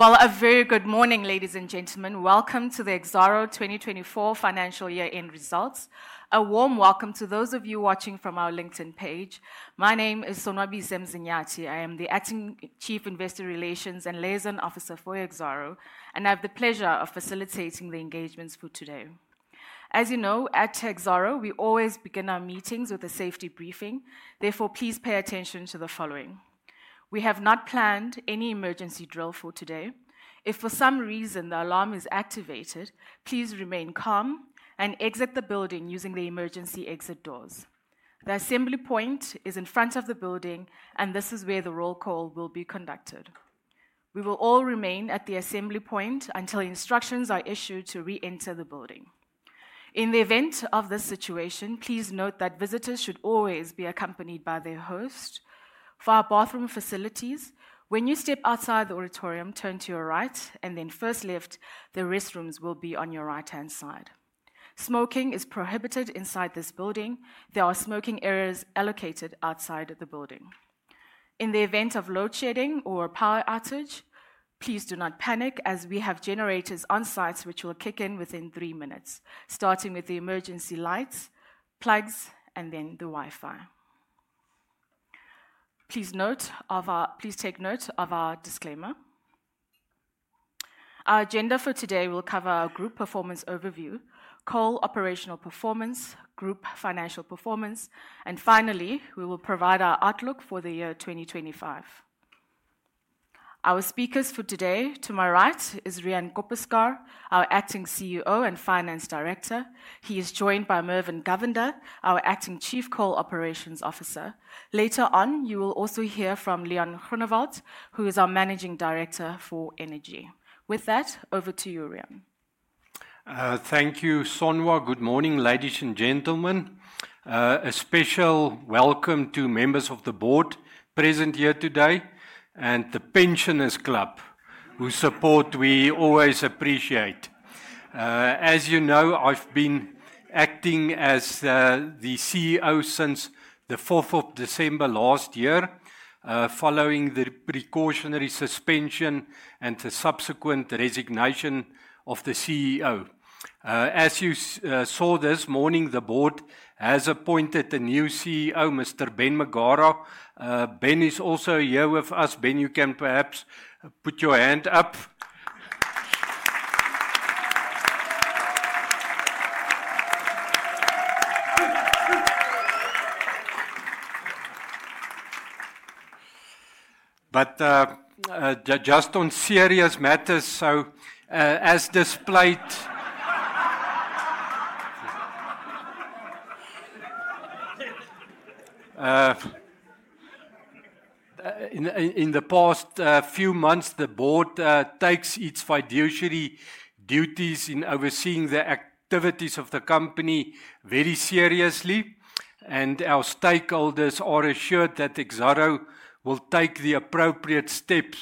A very good morning, ladies and gentlemen. Welcome to the Exxaro 2024 financial year-end results. A warm welcome to those of you watching from our LinkedIn page. My name is Sonwabise Mzinyathi. I am the Acting Chief Investor Relations and Liaison Officer for Exxaro, and I have the pleasure of facilitating the engagements for today. As you know, at Exxaro, we always begin our meetings with a safety briefing. Therefore, please pay attention to the following. We have not planned any emergency drill for today. If for some reason the alarm is activated, please remain calm and exit the building using the emergency exit doors. The assembly point is in front of the building, and this is where the roll call will be conducted. We will all remain at the assembly point until instructions are issued to re-enter the building. In the event of this situation, please note that visitors should always be accompanied by their host. For our bathroom facilities, when you step outside the auditorium, turn to your right, and then first left, the restrooms will be on your right-hand side. Smoking is prohibited inside this building. There are smoking areas allocated outside of the building. In the event of load shedding or a power outage, please do not panic as we have generators on site which will kick in within three minutes, starting with the emergency lights, plugs, and then the Wi-Fi. Please take note of our disclaimer. Our agenda for today will cover our group performance overview, coal operational performance, group financial performance, and finally, we will provide our outlook for the year 2025. Our speakers for today, to my right, is Riaan Koppeschaar, our Acting CEO and Finance Director. He is joined by Mervin Govender, our Acting Chief Coal Operations Officer. Later on, you will also hear from Leon Groenewald, who is our Managing Director for Energy. With that, over to you, Riaan. Thank you, Sonwa. Good morning, ladies and gentlemen. A special welcome to members of the board present here today and the Pensioners Club, whose support we always appreciate. As you know, I've been acting as the CEO since the 4th of December last year, following the precautionary suspension and the subsequent resignation of the CEO. As you saw this morning, the board has appointed a new CEO, Mr. Ben Magara. Ben is also here with us. Ben, you can perhaps put your hand up. Just on serious matters, as displayed. In the past few months, the board takes its fiduciary duties in overseeing the activities of the company very seriously, and our stakeholders are assured that Exxaro will take the appropriate steps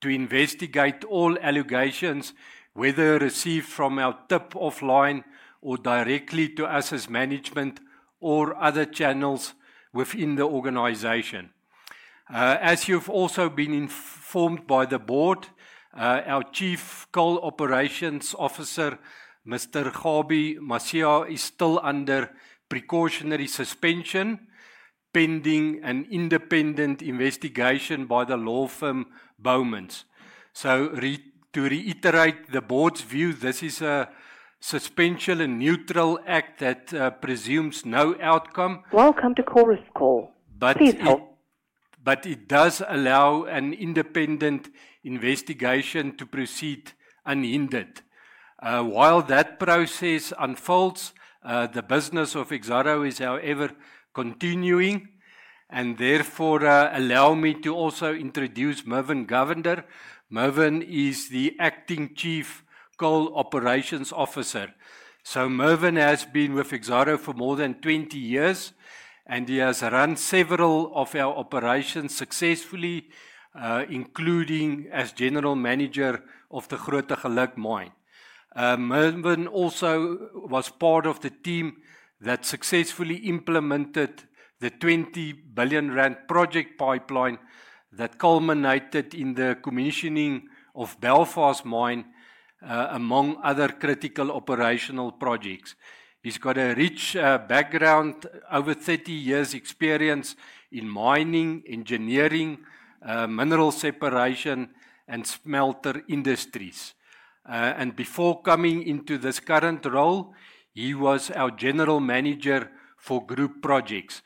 to investigate all allegations, whether received from our tip-off line or directly to us as management or other channels within the organization. As you've also been informed by the board, our Chief Coal Operations Officer, Mr. Khabe Masia, is still under precautionary suspension, pending an independent investigation by the law firm Bowmans. To reiterate the board's view, this is a suspension and neutral act that presumes no outcome. Welcome to Coal Risk Call. It does allow an independent investigation to proceed unhindered. While that process unfolds, the business of Exxaro is, however, continuing, and therefore, allow me to also introduce Mervin Govender. Mervin is the Acting Chief Coal Operations Officer. Mervin has been with Exxaro for more than 20 years, and he has run several of our operations successfully, including as General Manager of the Grootegeluk Mine. Mervin also was part of the team that successfully implemented the 20 billion rand project pipeline that culminated in the commissioning of Belfast Mine, among other critical operational projects. He has got a rich background, over 30 years' experience in mining, engineering, mineral separation, and smelter industries. Before coming into this current role, he was our General Manager for group projects.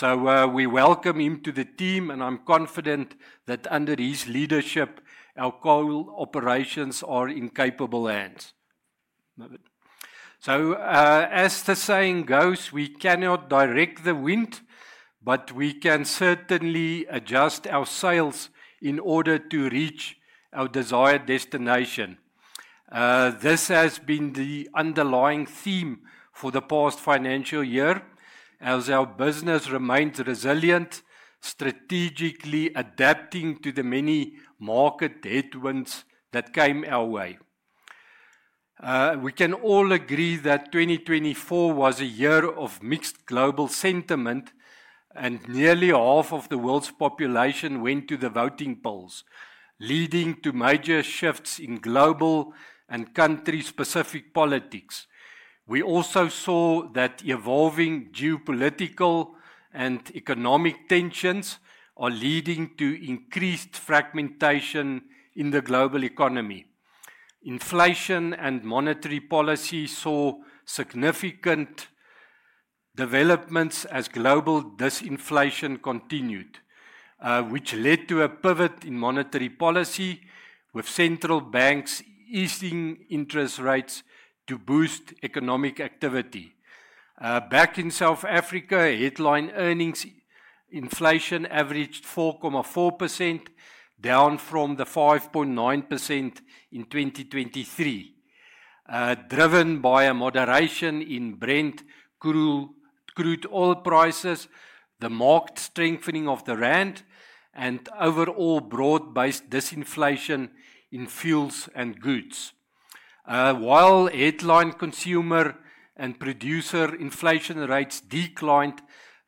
We welcome him to the team, and I am confident that under his leadership, our coal operations are in capable hands. As the saying goes, we cannot direct the wind, but we can certainly adjust our sails in order to reach our desired destination. This has been the underlying theme for the past financial year as our business remains resilient, strategically adapting to the many market headwinds that came our way. We can all agree that 2024 was a year of mixed global sentiment, and nearly half of the world's population went to the voting polls, leading to major shifts in global and country-specific politics. We also saw that evolving geopolitical and economic tensions are leading to increased fragmentation in the global economy. Inflation and monetary policy saw significant developments as global disinflation continued, which led to a pivot in monetary policy, with central banks easing interest rates to boost economic activity. Back in South Africa, headline earnings inflation averaged 4.4%, down from the 5.9% in 2023. Driven by a moderation in Brent crude oil prices, the marked strengthening of the rand, and overall broad-based disinflation in fuels and goods. While headline consumer and producer inflation rates declined,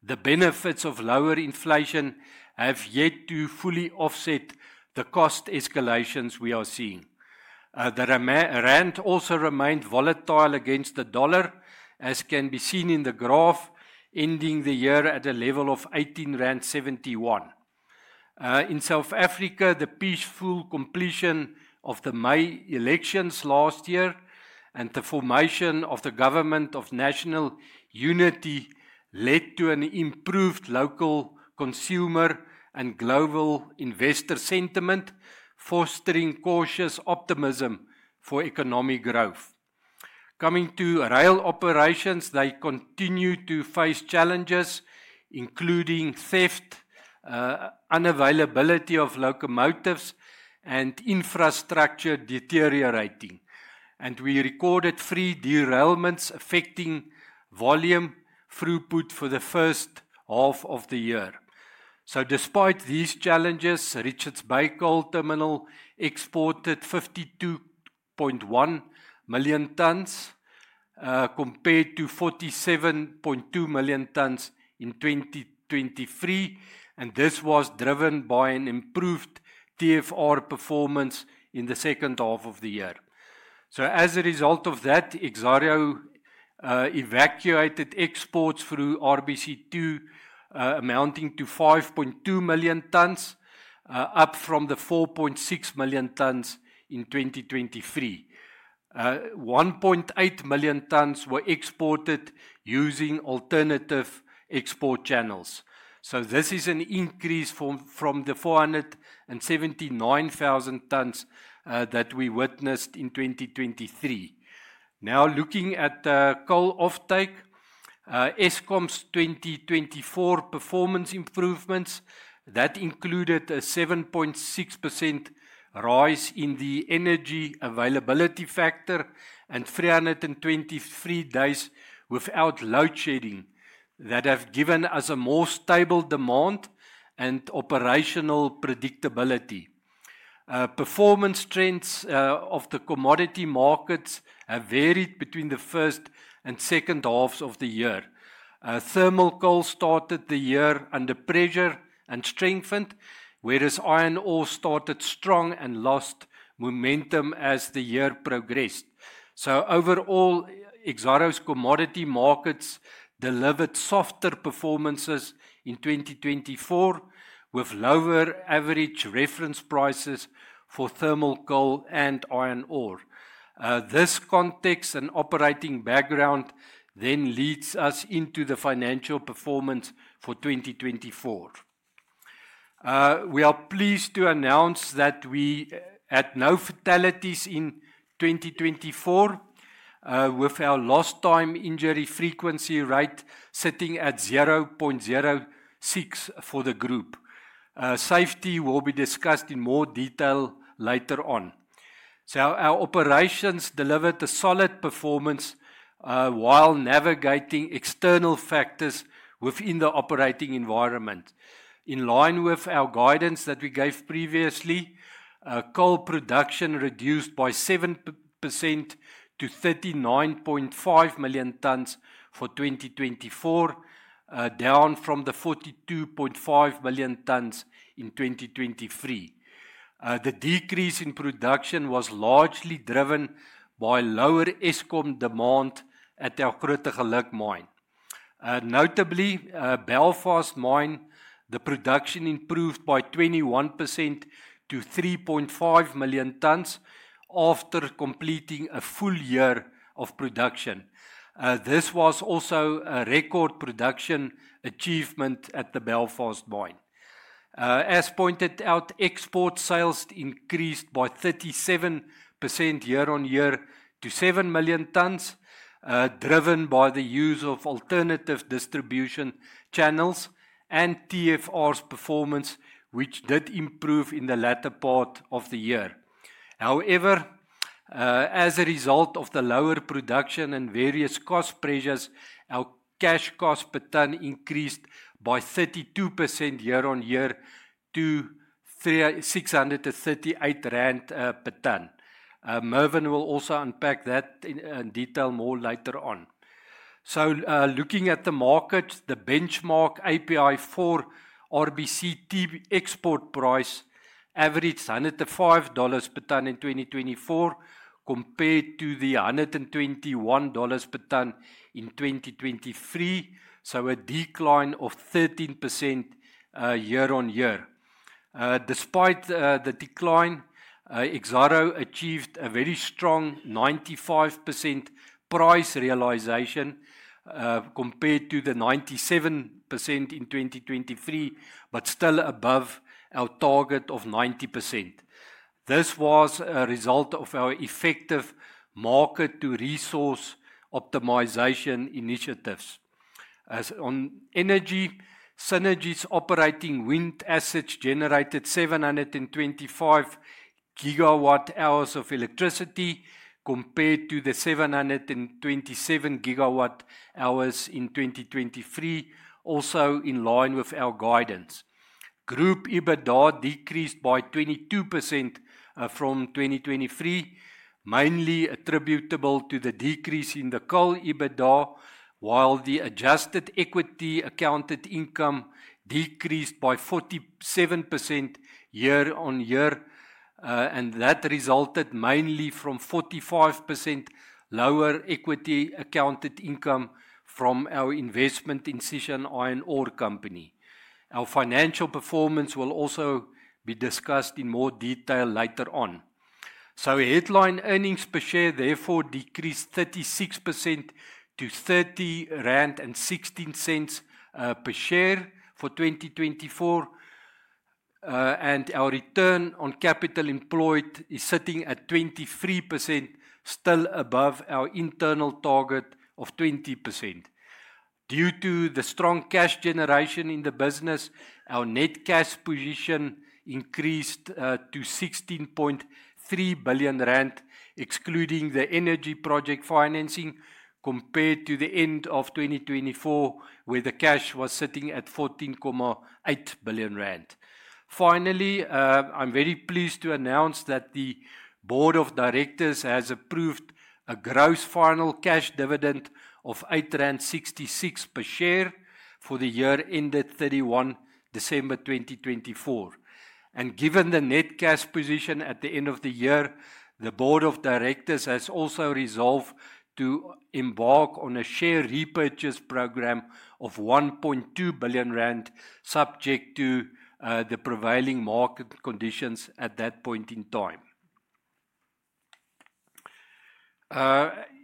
the benefits of lower inflation have yet to fully offset the cost escalations we are seeing. The rand also remained volatile against the dollar, as can be seen in the graph, ending the year at a level of 18.71 rand. In South Africa, the peaceful completion of the May elections last year and the formation of the government of national unity led to an improved local consumer and global investor sentiment, fostering cautious optimism for economic growth. Coming to rail operations, they continue to face challenges, including theft, unavailability of locomotives, and infrastructure deteriorating. We recorded three derailments affecting volume throughput for the first half of the year. Despite these challenges, Richards Bay Coal Terminal exported 52.1 million tonnes compared to 47.2 million tonnes in 2023, and this was driven by an improved TFR performance in the second half of the year. As a result of that, Exxaro evacuated exports through RBCT, amounting to 5.2 million tonnes, up from the 4.6 million tonnes in 2023. 1.8 million tonnes were exported using alternative export channels. This is an increase from the 479,000 tonnes that we witnessed in 2023. Now, looking at the coal offtake, Eskom's 2024 performance improvements included a 7.6% rise in the energy availability factor and 323 days without load shedding that have given us a more stable demand and operational predictability. Performance trends of the commodity markets have varied between the first and second halves of the year. Thermal coal started the year under pressure and strengthened, whereas iron ore started strong and lost momentum as the year progressed. Overall, Exxaro's commodity markets delivered softer performances in 2024, with lower average reference prices for thermal coal and iron ore. This context and operating background then leads us into the financial performance for 2024. We are pleased to announce that we had no fatalities in 2024, with our lost time injury frequency rate sitting at 0.06 for the group. Safety will be discussed in more detail later on. Our operations delivered a solid performance while navigating external factors within the operating environment. In line with our guidance that we gave previously, coal production reduced by 7% to 39.5 million tonnes for 2024, down from the 42.5 million tonnes in 2023. The decrease in production was largely driven by lower Eskom demand at our Grootegeluk Mine. Notably, at Belfast Mine, the production improved by 21% to 3.5 million tonnes after completing a full year of production. This was also a record production achievement at the Belfast mine. As pointed out, export sales increased by 37% year-on-year to 7 million tonnes, driven by the use of alternative distribution channels and TFR's performance, which did improve in the latter part of the year. However, as a result of the lower production and various cost pressures, our cash cost per tonne increased by 32% year-on-year to ZAR 638 per tonne. Mervin will also unpack that in detail more later on. Looking at the markets, the benchmark API4 RBCT export price averaged $105 per tonne in 2024 compared to the $121 per tonne in 2023, a decline of 13% year-on-year. Despite the decline, Exxaro achieved a very strong 95% price realization compared to the 97% in 2023, but still above our target of 90%. This was a result of our effective market-to-resource optimization initiatives. On energy, Synergy's operating wind assets generated 725 GWh of electricity compared to the 727 GWh in 2023, also in line with our guidance. Group EBITDA decreased by 22% from 2023, mainly attributable to the decrease in the coal EBITDA, while the adjusted equity accounted income decreased by 47% year-on-year, and that resulted mainly from 45% lower equity accounted income from our investment in Sishen Iron Ore Company. Our financial performance will also be discussed in more detail later on. Headline earnings per share therefore decreased 36% to 30.16 rand per share for 2024, and our return on capital employed is sitting at 23%, still above our internal target of 20%. Due to the strong cash generation in the business, our net cash position increased to 16.3 billion rand, excluding the energy project financing, compared to the end of 2024, where the cash was sitting at 14.8 billion rand. Finally, I am very pleased to announce that the Board of Directors has approved a gross final cash dividend of 8.66 rand per share for the year ended 31 December 2024. Given the net cash position at the end of the year, the Board of Directors has also resolved to embark on a share repurchase program of 1.2 billion rand, subject to the prevailing market conditions at that point in time.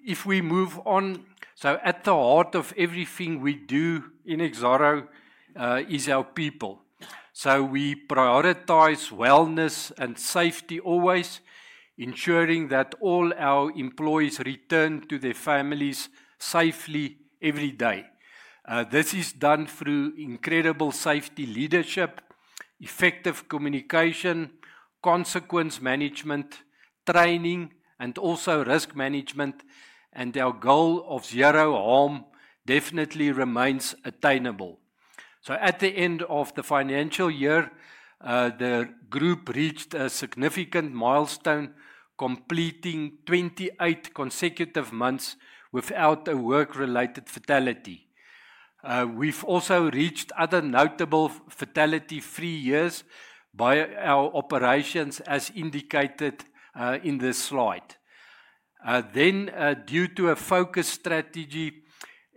If we move on, at the heart of everything we do in Exxaro is our people. We prioritize wellness and safety always, ensuring that all our employees return to their families safely every day. This is done through incredible safety leadership, effective communication, consequence management, training, and also risk management, and our goal of zero harm definitely remains attainable. At the end of the financial year, the group reached a significant milestone, completing 28 consecutive months without a work-related fatality. We have also reached other notable fatality-free years by our operations, as indicated in this slide. Due to a focused strategy,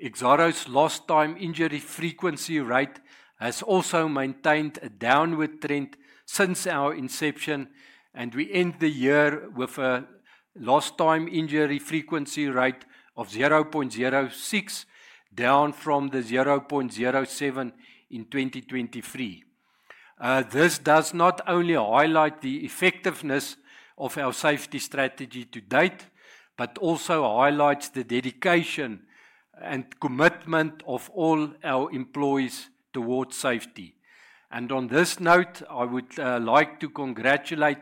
Exxaro's lost time injury frequency rate has also maintained a downward trend since our inception, and we end the year with a lost time injury frequency rate of 0.06, down from 0.07 in 2023. This does not only highlight the effectiveness of our safety strategy to date, but also highlights the dedication and commitment of all our employees towards safety. On this note, I would like to congratulate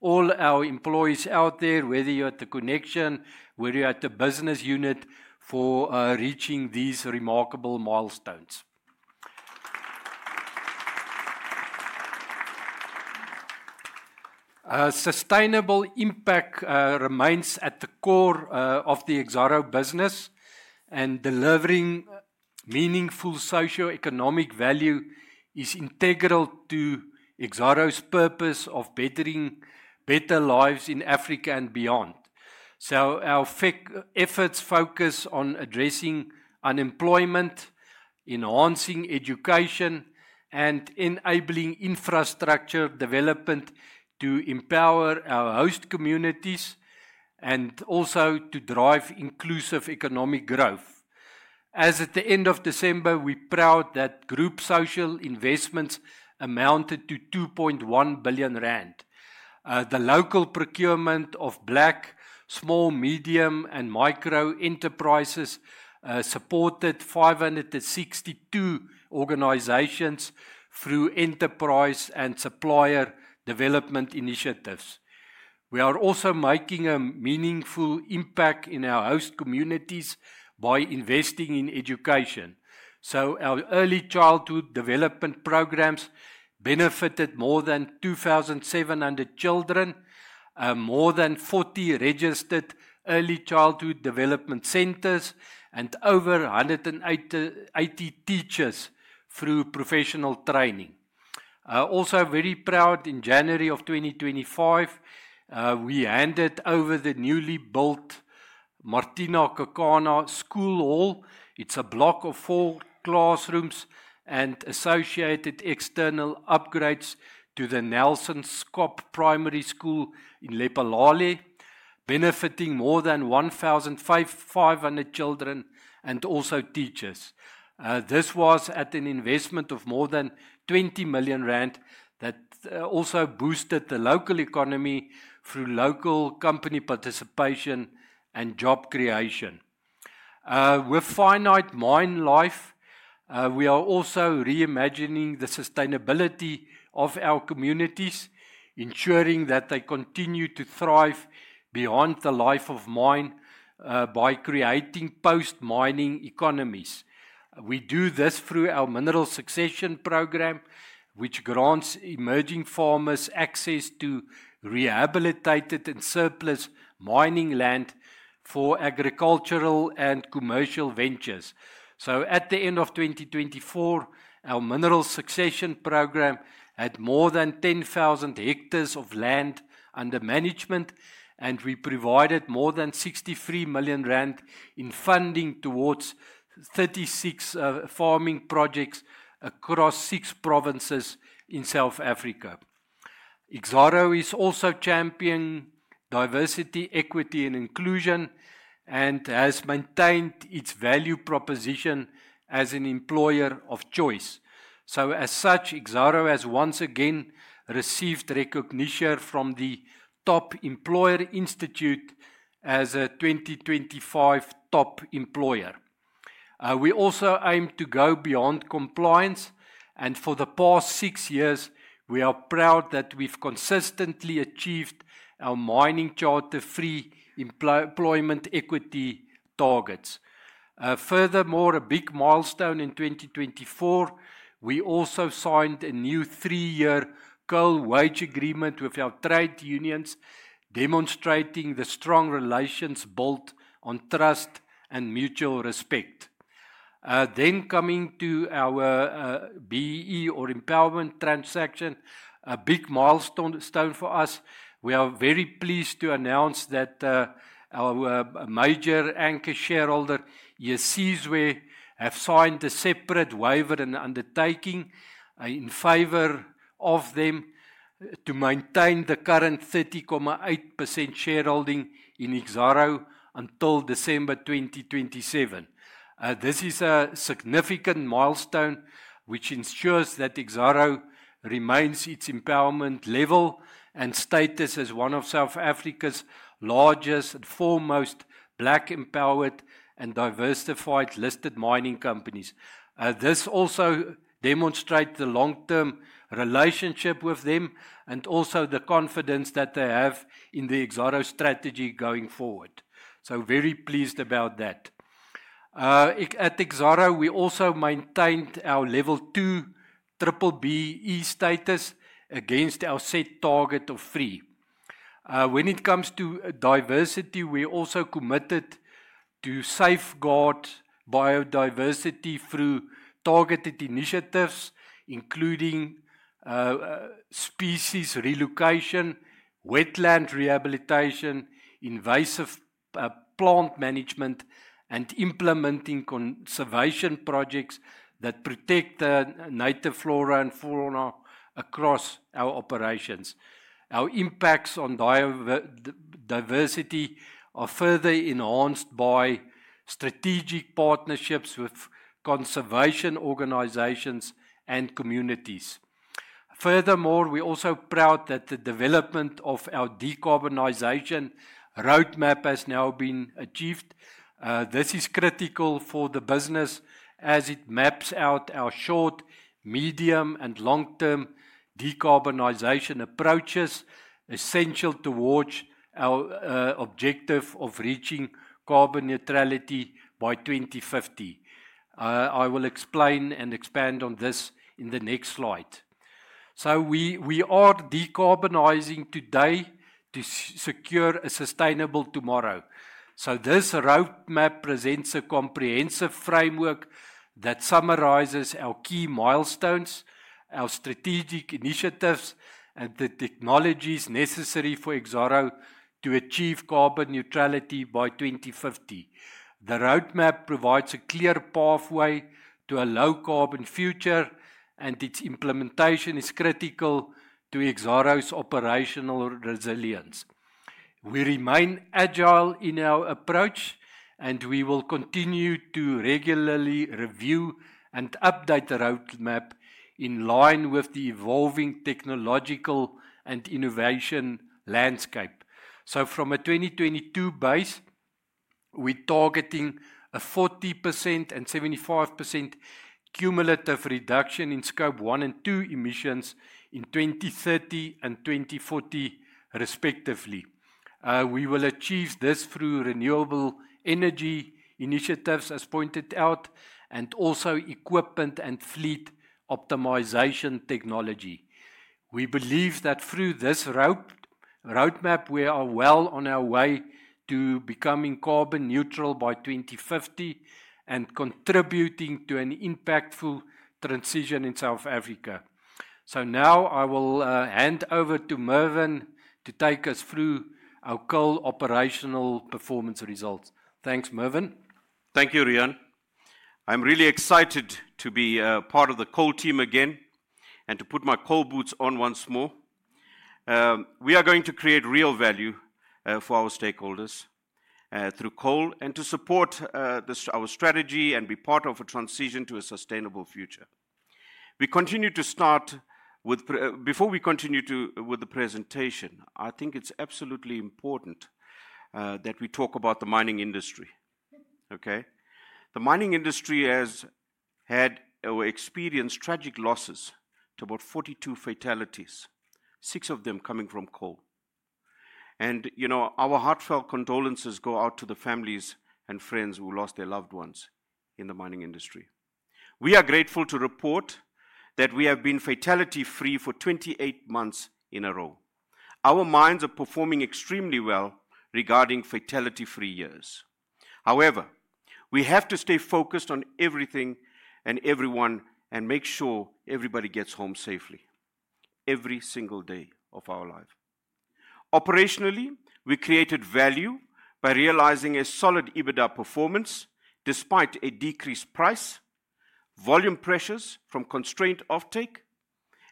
all our employees out there, whether you're at the connection, whether you're at the business unit, for reaching these remarkable milestones. Sustainable impact remains at the core of the Exxaro business, and delivering meaningful socio-economic value is integral to Exxaro's purpose of bettering better lives in Africa and beyond. Our efforts focus on addressing unemployment, enhancing education, and enabling infrastructure development to empower our host communities and also to drive inclusive economic growth. As at the end of December, we are proud that group social investments amounted to 2.1 billion rand. The local procurement of Black, Small, Medium, and Micro enterprises supported 562 organizations through enterprise and supplier development initiatives. We are also making a meaningful impact in our host communities by investing in education. Our early childhood development programs benefited more than 2,700 children, more than 40 registered early childhood development centers, and over 180 teachers through professional training. Also, very proud, in January of 2025, we handed over the newly built Martina Kekana school hall. It is a block of four classrooms and associated external upgrades to the Nelsonskop Primary School in Lephalale, benefiting more than 1,500 children and also teachers. This was at an investment of more than 20 million rand that also boosted the local economy through local company participation and job creation. With finite mine life, we are also reimagining the sustainability of our communities, ensuring that they continue to thrive beyond the life of mine by creating post-mining economies. We do this through our mineral succession program, which grants emerging farmers access to rehabilitated and surplus mining land for agricultural and commercial ventures. At the end of 2024, our mineral succession program had more than 10,000 hectares of land under management, and we provided more than 63 million rand in funding towards 36 farming projects across six provinces in South Africa. Exxaro is also championing diversity, equity, and inclusion, and has maintained its value proposition as an employer of choice. As such, Exxaro has once again received recognition from the Top Employer Institute as a 2025 Top Employer. We also aim to go beyond compliance, and for the past six years, we are proud that we've consistently achieved our mining charter three employment equity targets. Furthermore, a big milestone in 2024, we also signed a new three-year coal wage agreement with our trade unions, demonstrating the strong relations built on trust and mutual respect. Coming to our BEE or empowerment transaction, a big milestone for us, we are very pleased to announce that our major anchor shareholder, Eyesizwe, have signed a separate waiver and undertaking in favor of them to maintain the current 30.8% shareholding in Exxaro until December 2027. This is a significant milestone which ensures that Exxaro remains its empowerment level and status as one of South Africa's largest and foremost Black, empowered, and diversified listed mining companies. This also demonstrates the long-term relationship with them and also the confidence that they have in the Exxaro strategy going forward. Very pleased about that. At Exxaro, we also maintained our level two BEE status against our set target of three. When it comes to diversity, we also committed to safeguard biodiversity through targeted initiatives, including species relocation, wetland rehabilitation, invasive plant management, and implementing conservation projects that protect native flora and fauna across our operations. Our impacts on diversity are further enhanced by strategic partnerships with conservation organizations and communities. Furthermore, we are also proud that the development of our decarbonization roadmap has now been achieved. This is critical for the business as it maps out our short, medium, and long-term decarbonization approaches essential towards our objective of reaching carbon neutrality by 2050. I will explain and expand on this in the next slide. We are decarbonizing today to secure a sustainable tomorrow. This roadmap presents a comprehensive framework that summarizes our key milestones, our strategic initiatives, and the technologies necessary for Exxaro to achieve carbon neutrality by 2050. The roadmap provides a clear pathway to a low-carbon future, and its implementation is critical to Exxaro's operational resilience. We remain agile in our approach, and we will continue to regularly review and update the roadmap in line with the evolving technological and innovation landscape. From a 2022 base, we are targeting a 40% and 75% cumulative reduction in scope one and two emissions in 2030 and 2040, respectively. We will achieve this through renewable energy initiatives, as pointed out, and also equipment and fleet optimization technology. We believe that through this roadmap, we are well on our way to becoming carbon neutral by 2050 and contributing to an impactful transition in South Africa. I will now hand over to Mervin to take us through our coal operational performance results. Thanks, Mervin. Thank you, Riaan. I'm really excited to be part of the coal team again and to put my coal boots on once more. We are going to create real value for our stakeholders through coal and to support our strategy and be part of a transition to a sustainable future. We continue to start with, before we continue with the presentation, I think it's absolutely important that we talk about the mining industry. Okay? The mining industry has had or experienced tragic losses to about 42 fatalities, six of them coming from coal. And you know, our heartfelt condolences go out to the families and friends who lost their loved ones in the mining industry. We are grateful to report that we have been fatality-free for 28 months in a row. Our mines are performing extremely well regarding fatality-free years. However, we have to stay focused on everything and everyone and make sure everybody gets home safely every single day of our life. Operationally, we created value by realizing a solid EBITDA performance despite a decreased price, volume pressures from constrained offtake,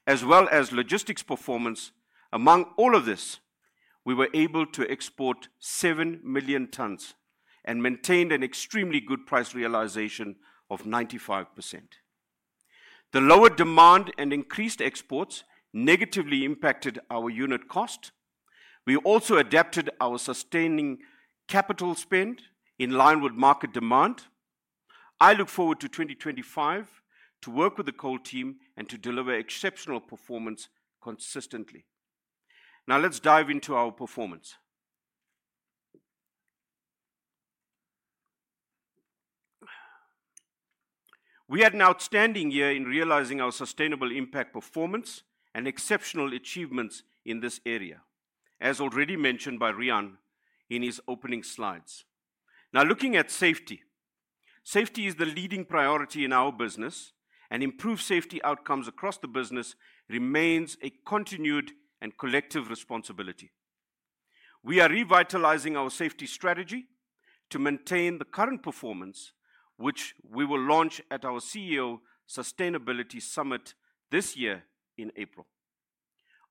as well as logistics performance. Among all of this, we were able to export 7 million tonnes and maintained an extremely good price realization of 95%. The lower demand and increased exports negatively impacted our unit cost. We also adapted our sustaining capital spend in line with market demand. I look forward to 2025 to work with the coal team and to deliver exceptional performance consistently. Now let's dive into our performance. We had an outstanding year in realizing our sustainable impact performance and exceptional achievements in this area, as already mentioned by Riaan in his opening slides. Now looking at safety, safety is the leading priority in our business, and improved safety outcomes across the business remains a continued and collective responsibility. We are revitalizing our safety strategy to maintain the current performance, which we will launch at our CEO Sustainability Summit this year in April.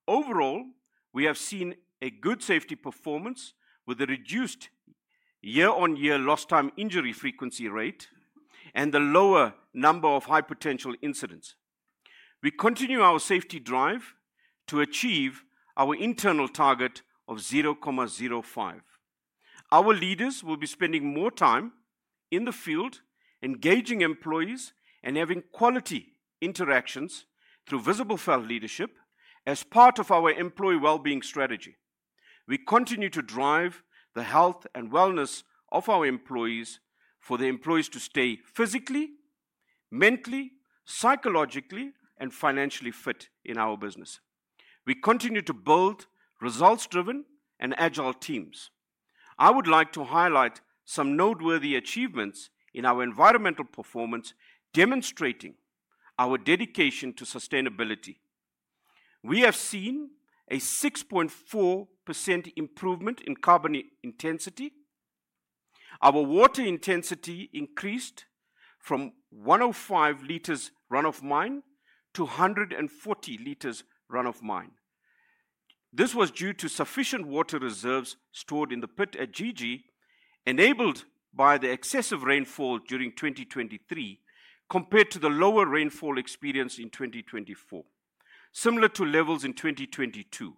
Overall, we have seen a good safety performance with a reduced year-on-year lost time injury frequency rate and the lower number of high potential incidents. We continue our safety drive to achieve our internal target of 0.05. Our leaders will be spending more time in the field, engaging employees, and having quality interactions through visible felt leadership as part of our employee well-being strategy. We continue to drive the health and wellness of our employees for the employees to stay physically, mentally, psychologically, and financially fit in our business. We continue to build results-driven and agile teams. I would like to highlight some noteworthy achievements in our environmental performance, demonstrating our dedication to sustainability. We have seen a 6.4% improvement in carbon intensity. Our water intensity increased from 105 liters run of mine to 140 liters run of mine. This was due to sufficient water reserves stored in the pit at GG, enabled by the excessive rainfall during 2023 compared to the lower rainfall experienced in 2024, similar to levels in 2022.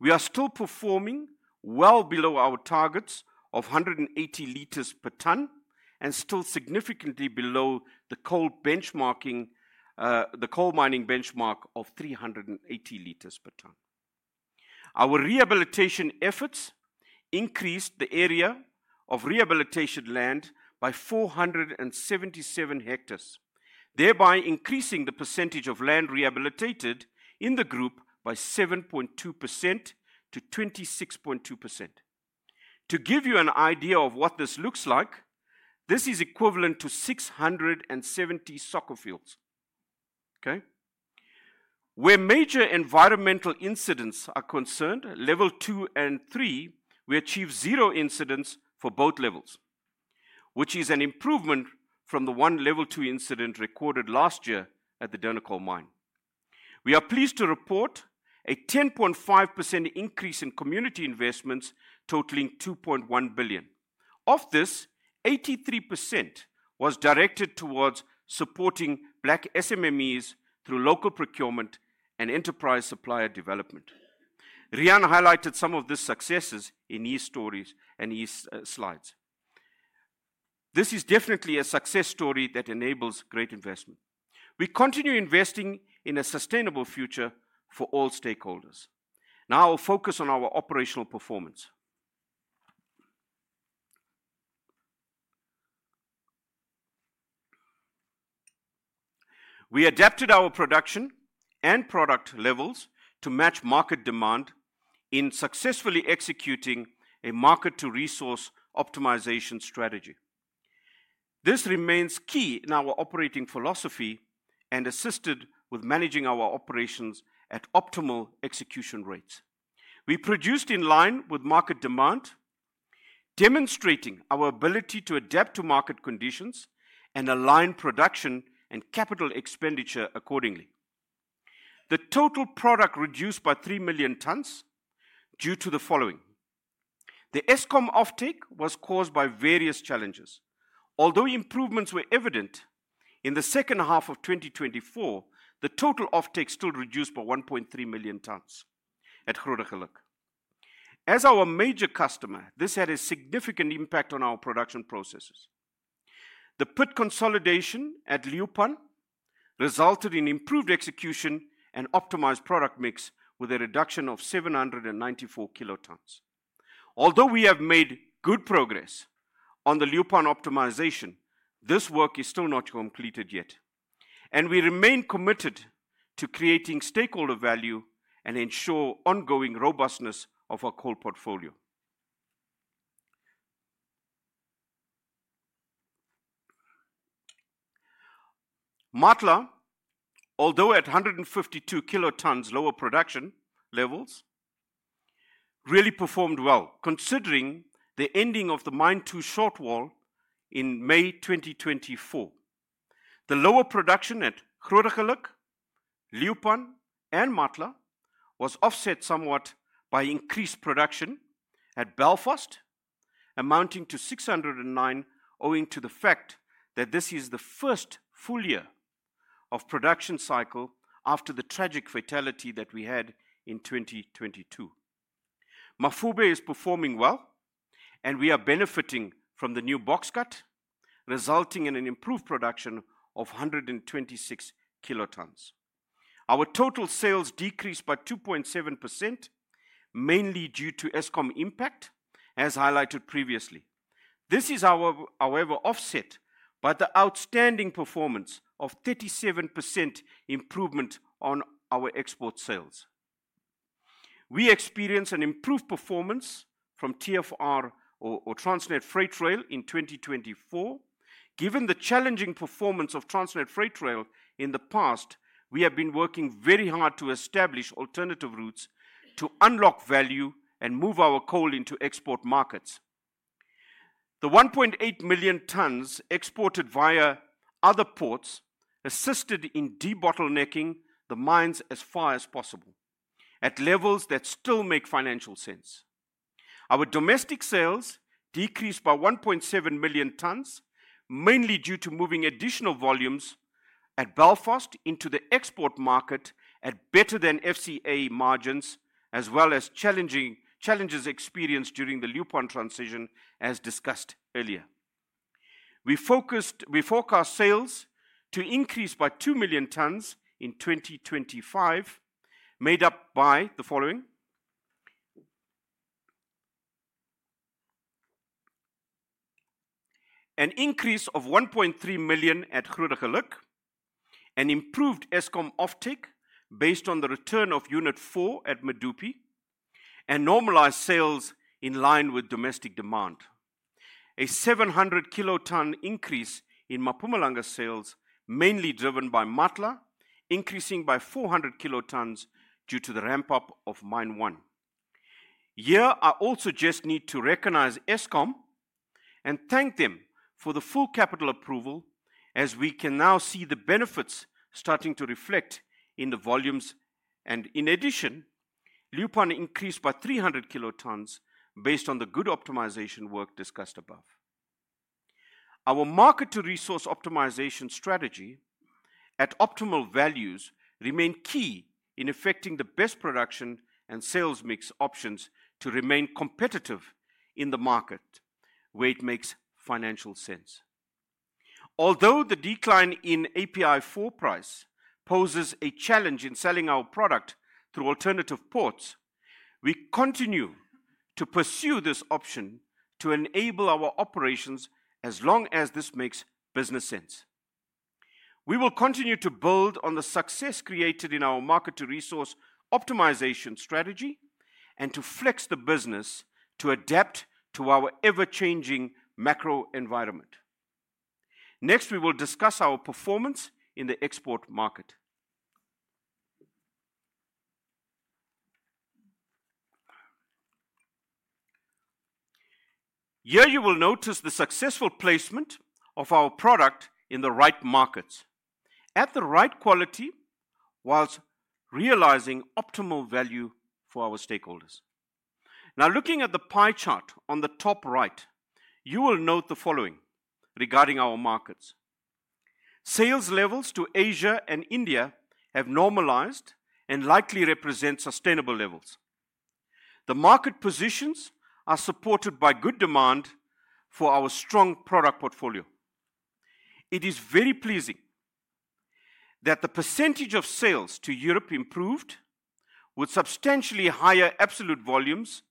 We are still performing well below our targets of 180 liters per ton and still significantly below the coal mining benchmark of 380 liters per ton. Our rehabilitation efforts increased the area of rehabilitation land by 477 hectares, thereby increasing the percentage of land rehabilitated in the group by 7.2% to 26.2%. To give you an idea of what this looks like, this is equivalent to 670 soccer fields. Okay? Where major environmental incidents are concerned, level two and three, we achieved zero incidents for both levels, which is an improvement from the one level two incident recorded last year at the Durnacol mine. We are pleased to report a 10.5% increase in community investments totaling 2.1 billion. Of this, 83% was directed towards supporting Black SMMEs through local procurement and enterprise supplier development. Riaan highlighted some of these successes in his stories and his slides. This is definitely a success story that enables great investment. We continue investing in a sustainable future for all stakeholders. Now I'll focus on our operational performance. We adapted our production and product levels to match market demand in successfully executing a market-to-resource optimization strategy. This remains key in our operating philosophy and assisted with managing our operations at optimal execution rates. We produced in line with market demand, demonstrating our ability to adapt to market conditions and align production and capital expenditure accordingly. The total product reduced by 3 million tonnes due to the following. The Eskom offtake was caused by various challenges. Although improvements were evident in the second half of 2024, the total offtake still reduced by 1.3 million tonnes at Grootegeluk. As our major customer, this had a significant impact on our production processes. The pit consolidation at Lephalale resulted in improved execution and optimized product mix with a reduction of 794 kilotonnes. Although we have made good progress on the Lephalale optimization, this work is still not completed yet. We remain committed to creating stakeholder value and ensure ongoing robustness of our coal portfolio. Matla, although at 152 kilotonnes lower production levels, really performed well considering the ending of the mine two short wall in May 2024. The lower production at Grootegeluk, Lephalale, and Matla was offset somewhat by increased production at Belfast, amounting to 609, owing to the fact that this is the first full year of production cycle after the tragic fatality that we had in 2022. Mafube is performing well, and we are benefiting from the new box cut, resulting in an improved production of 126 kilotonnes. Our total sales decreased by 2.7%, mainly due to Eskom impact, as highlighted previously. This is, however, offset by the outstanding performance of 37% improvement on our export sales. We experience an improved performance from TFR or Transnet Freight Rail in 2024. Given the challenging performance of Transnet Freight Rail in the past, we have been working very hard to establish alternative routes to unlock value and move our coal into export markets. The 1.8 million tonnes exported via other ports assisted in debottlenecking the mines as far as possible at levels that still make financial sense. Our domestic sales decreased by 1.7 million tonnes, mainly due to moving additional volumes at Belfast into the export market at better than FCA margins, as well as challenges experienced during the Lephalale transition, as discussed earlier. We forecast sales to increase by 2 million tonnes in 2025, made up by the following: an increase of 1.3 million at Grootegeluk, an improved Eskom offtake based on the return of unit four at Medupi, and normalized sales in line with domestic demand. A 700 kiloton increase in Mpumalanga sales, mainly driven by Matla, increasing by 400 kilotonnes due to the ramp-up of mine one. I also just need to recognize Eskom and thank them for the full capital approval, as we can now see the benefits starting to reflect in the volumes. In addition, Lephalale increased by 300 kilotonnes based on the good optimization work discussed above. Our market-to-resource optimization strategy at optimal values remains key in affecting the best production and sales mix options to remain competitive in the market where it makes financial sense. Although the decline in API4 price poses a challenge in selling our product through alternative ports, we continue to pursue this option to enable our operations as long as this makes business sense. We will continue to build on the success created in our market-to-resource optimization strategy and to flex the business to adapt to our ever-changing macro environment. Next, we will discuss our performance in the export market. Here you will notice the successful placement of our product in the right markets at the right quality whilst realizing optimal value for our stakeholders. Now looking at the pie chart on the top right, you will note the following regarding our markets. Sales levels to Asia and India have normalized and likely represent sustainable levels. The market positions are supported by good demand for our strong product portfolio. It is very pleasing that the percentage of sales to Europe improved with substantially higher absolute volumes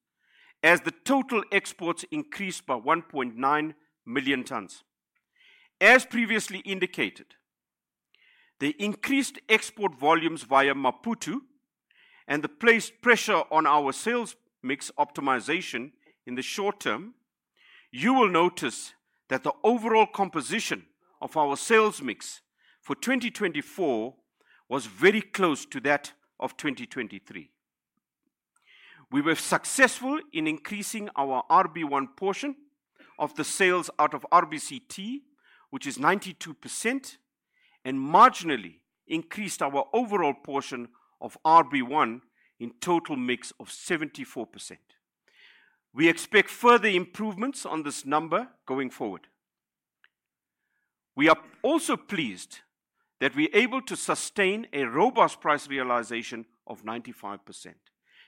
as the total exports increased by 1.9 million tonnes. As previously indicated, the increased export volumes via Maputo and the placed pressure on our sales mix optimization in the short term, you will notice that the overall composition of our sales mix for 2024 was very close to that of 2023. We were successful in increasing our RB1 portion of the sales out of RBCT, which is 92%, and marginally increased our overall portion of RB1 in total mix of 74%. We expect further improvements on this number going forward. We are also pleased that we are able to sustain a robust price realization of 95%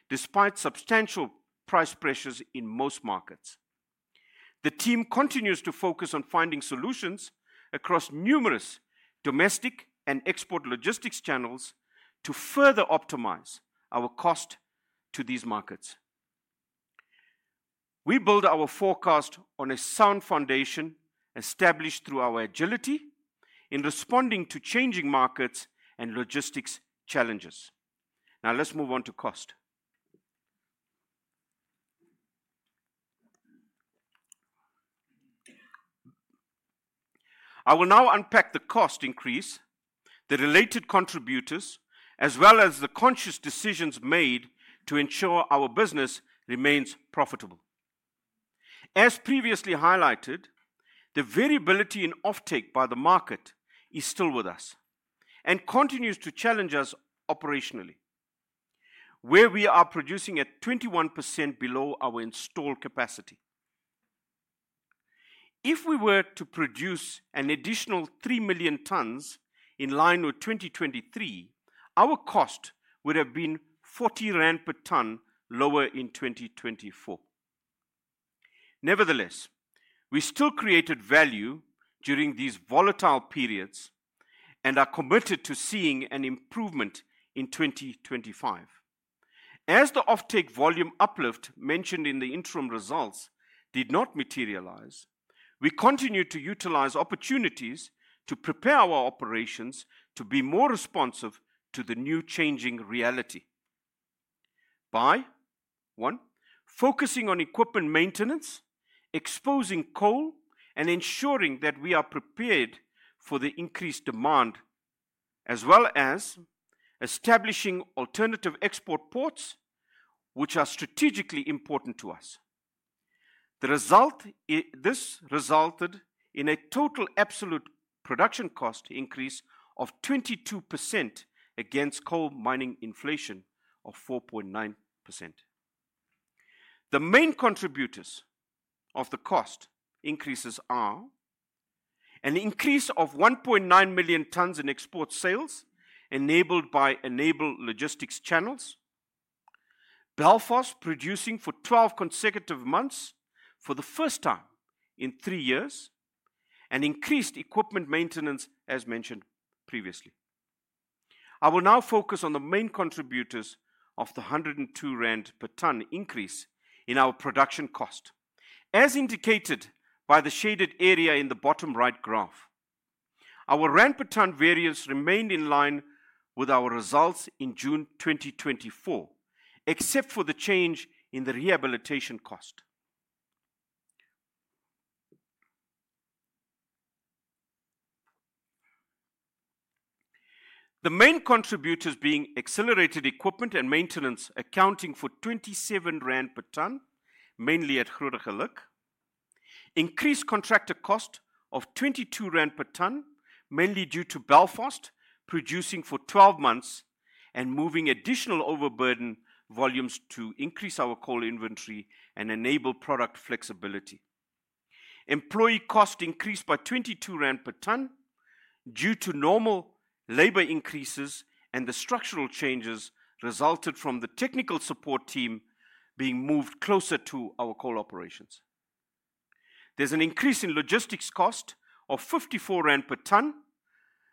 despite substantial price pressures in most markets. The team continues to focus on finding solutions across numerous domestic and export logistics channels to further optimize our cost to these markets. We build our forecast on a sound foundation established through our agility in responding to changing markets and logistics challenges. Now let's move on to cost. I will now unpack the cost increase, the related contributors, as well as the conscious decisions made to ensure our business remains profitable. As previously highlighted, the variability in offtake by the market is still with us and continues to challenge us operationally, where we are producing at 21% below our installed capacity. If we were to produce an additional 3 million tonnes in line with 2023, our cost would have been 40 rand per ton lower in 2024. Nevertheless, we still created value during these volatile periods and are committed to seeing an improvement in 2025. As the offtake volume uplift mentioned in the interim results did not materialize, we continue to utilize opportunities to prepare our operations to be more responsive to the new changing reality by, one, focusing on equipment maintenance, exposing coal, and ensuring that we are prepared for the increased demand, as well as establishing alternative export ports, which are strategically important to us. This resulted in a total absolute production cost increase of 22% against coal mining inflation of 4.9%. The main contributors of the cost increases are an increase of 1.9 million tonnes in export sales enabled by enabled logistics channels, Belfast producing for 12 consecutive months for the first time in three years, and increased equipment maintenance, as mentioned previously. I will now focus on the main contributors of the 102 rand per ton increase in our production cost, as indicated by the shaded area in the bottom right graph. Our rand per ton variance remained in line with our results in June 2024, except for the change in the rehabilitation cost. The main contributors being accelerated equipment and maintenance accounting for 27 rand per ton, mainly at Grootegeluk, increased contractor cost of 22 rand per ton, mainly due to Belfast producing for 12 months and moving additional overburden volumes to increase our coal inventory and enable product flexibility. Employee cost increased by 22 rand per ton due to normal labor increases and the structural changes resulted from the technical support team being moved closer to our coal operations. There's an increase in logistics cost of 54 rand per ton,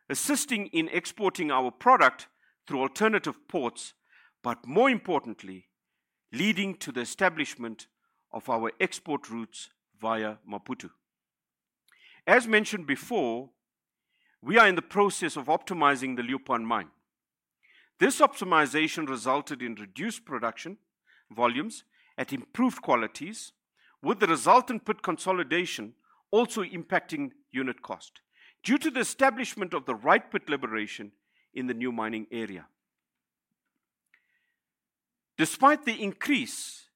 assisting in exporting our product through alternative ports, but more importantly, leading to the establishment of our export routes via Maputo. As mentioned before, we are in the process of optimizing the Lephalale mine. This optimization resulted in reduced production volumes at improved qualities, with the resultant pit consolidation also impacting unit cost due to the establishment of the right pit liberation in the new mining area. Despite the increased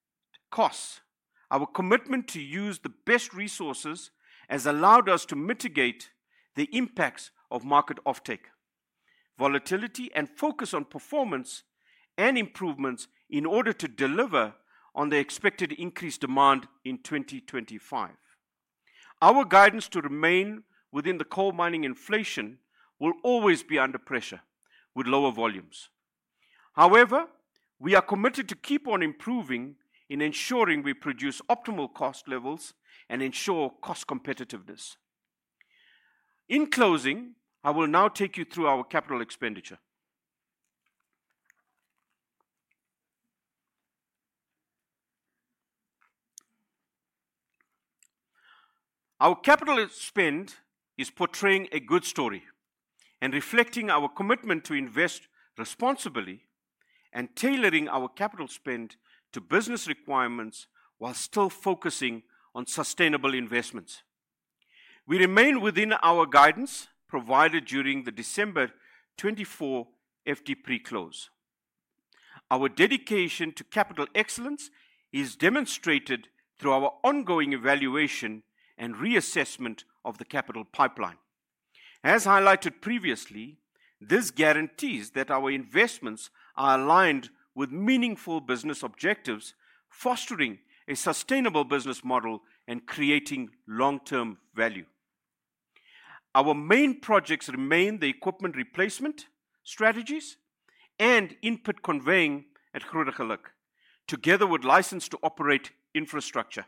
costs, our commitment to use the best resources has allowed us to mitigate the impacts of market offtake, volatility, and focus on performance and improvements in order to deliver on the expected increased demand in 2025. Our guidance to remain within the coal mining inflation will always be under pressure with lower volumes. However, we are committed to keep on improving in ensuring we produce optimal cost levels and ensure cost competitiveness. In closing, I will now take you through our capital expenditure. Our capital spend is portraying a good story and reflecting our commitment to invest responsibly and tailoring our capital spend to business requirements while still focusing on sustainable investments. We remain within our guidance provided during the December 2024 FDP close. Our dedication to capital excellence is demonstrated through our ongoing evaluation and reassessment of the capital pipeline. As highlighted previously, this guarantees that our investments are aligned with meaningful business objectives, fostering a sustainable business model and creating long-term value. Our main projects remain the equipment replacement strategies and input conveying at Grootegeluk, together with license to operate infrastructure.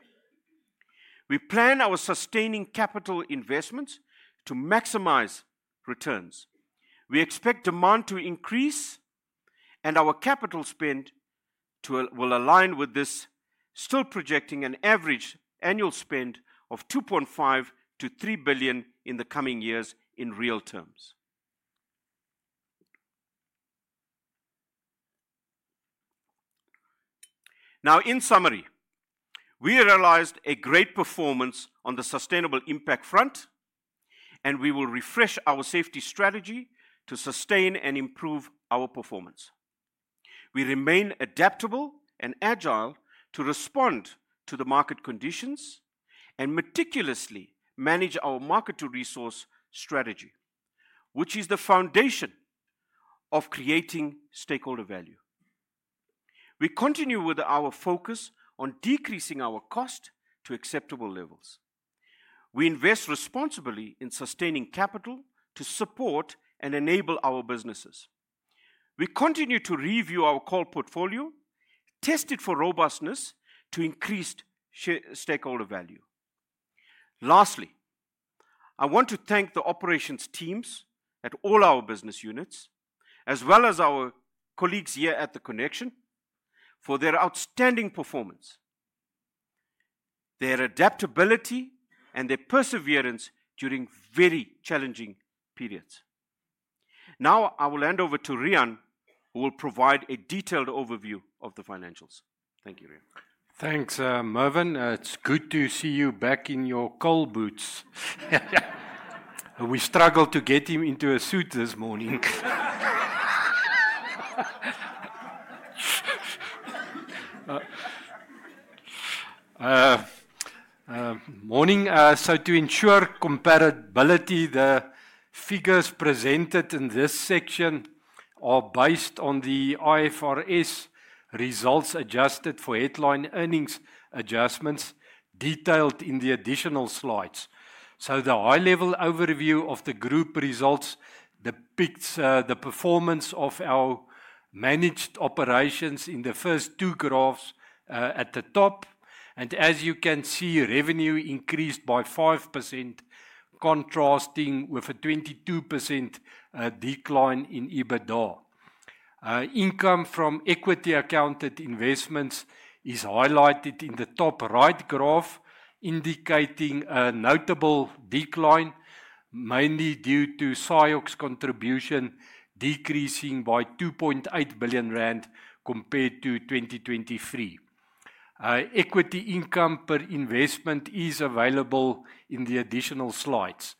We plan our sustaining capital investments to maximize returns. We expect demand to increase and our capital spend will align with this, still projecting an average annual spend of 2.5 billion-3 billion in the coming years in real terms. Now, in summary, we realized a great performance on the sustainable impact front, and we will refresh our safety strategy to sustain and improve our performance. We remain adaptable and agile to respond to the market conditions and meticulously manage our market-to-resource strategy, which is the foundation of creating stakeholder value. We continue with our focus on decreasing our cost to acceptable levels. We invest responsibly in sustaining capital to support and enable our businesses. We continue to review our coal portfolio, test it for robustness to increased stakeholder value. Lastly, I want to thank the operations teams at all our business units, as well as our colleagues here at the Connection for their outstanding performance, their adaptability, and their perseverance during very challenging periods. Now I will hand over to Riaan, who will provide a detailed overview of the financials. Thank you, Riaan. Thanks, Mervin. It's good to see you back in your coal boots. We struggled to get him into a suit this morning. Morning. To ensure comparability, the figures presented in this section are based on the IFRS results adjusted for headline earnings adjustments detailed in the additional slides. The high-level overview of the group results depicts the performance of our managed operations in the first two graphs at the top. As you can see, revenue increased by 5%, contrasting with a 22% decline in EBITDA. Income from equity-accounted investments is highlighted in the top right graph, indicating a notable decline, mainly due to SIOC's contribution decreasing by 2.8 billion rand compared to 2023. Equity income per investment is available in the additional slides.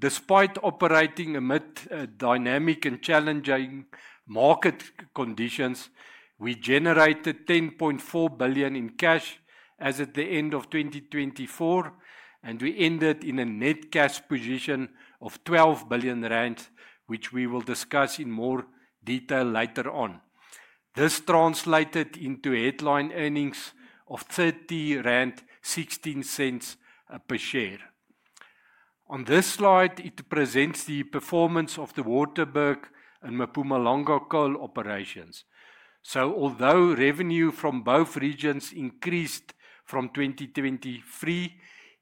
Despite operating amid dynamic and challenging market conditions, we generated 10.4 billion in cash as at the end of 2024, and we ended in a net cash position of 12 billion rand, which we will discuss in more detail later on. This translated into headline earnings of 30.16 rand per share. On this slide, it presents the performance of the Waterberg and Mpumalanga coal operations. Although revenue from both regions increased from 2023,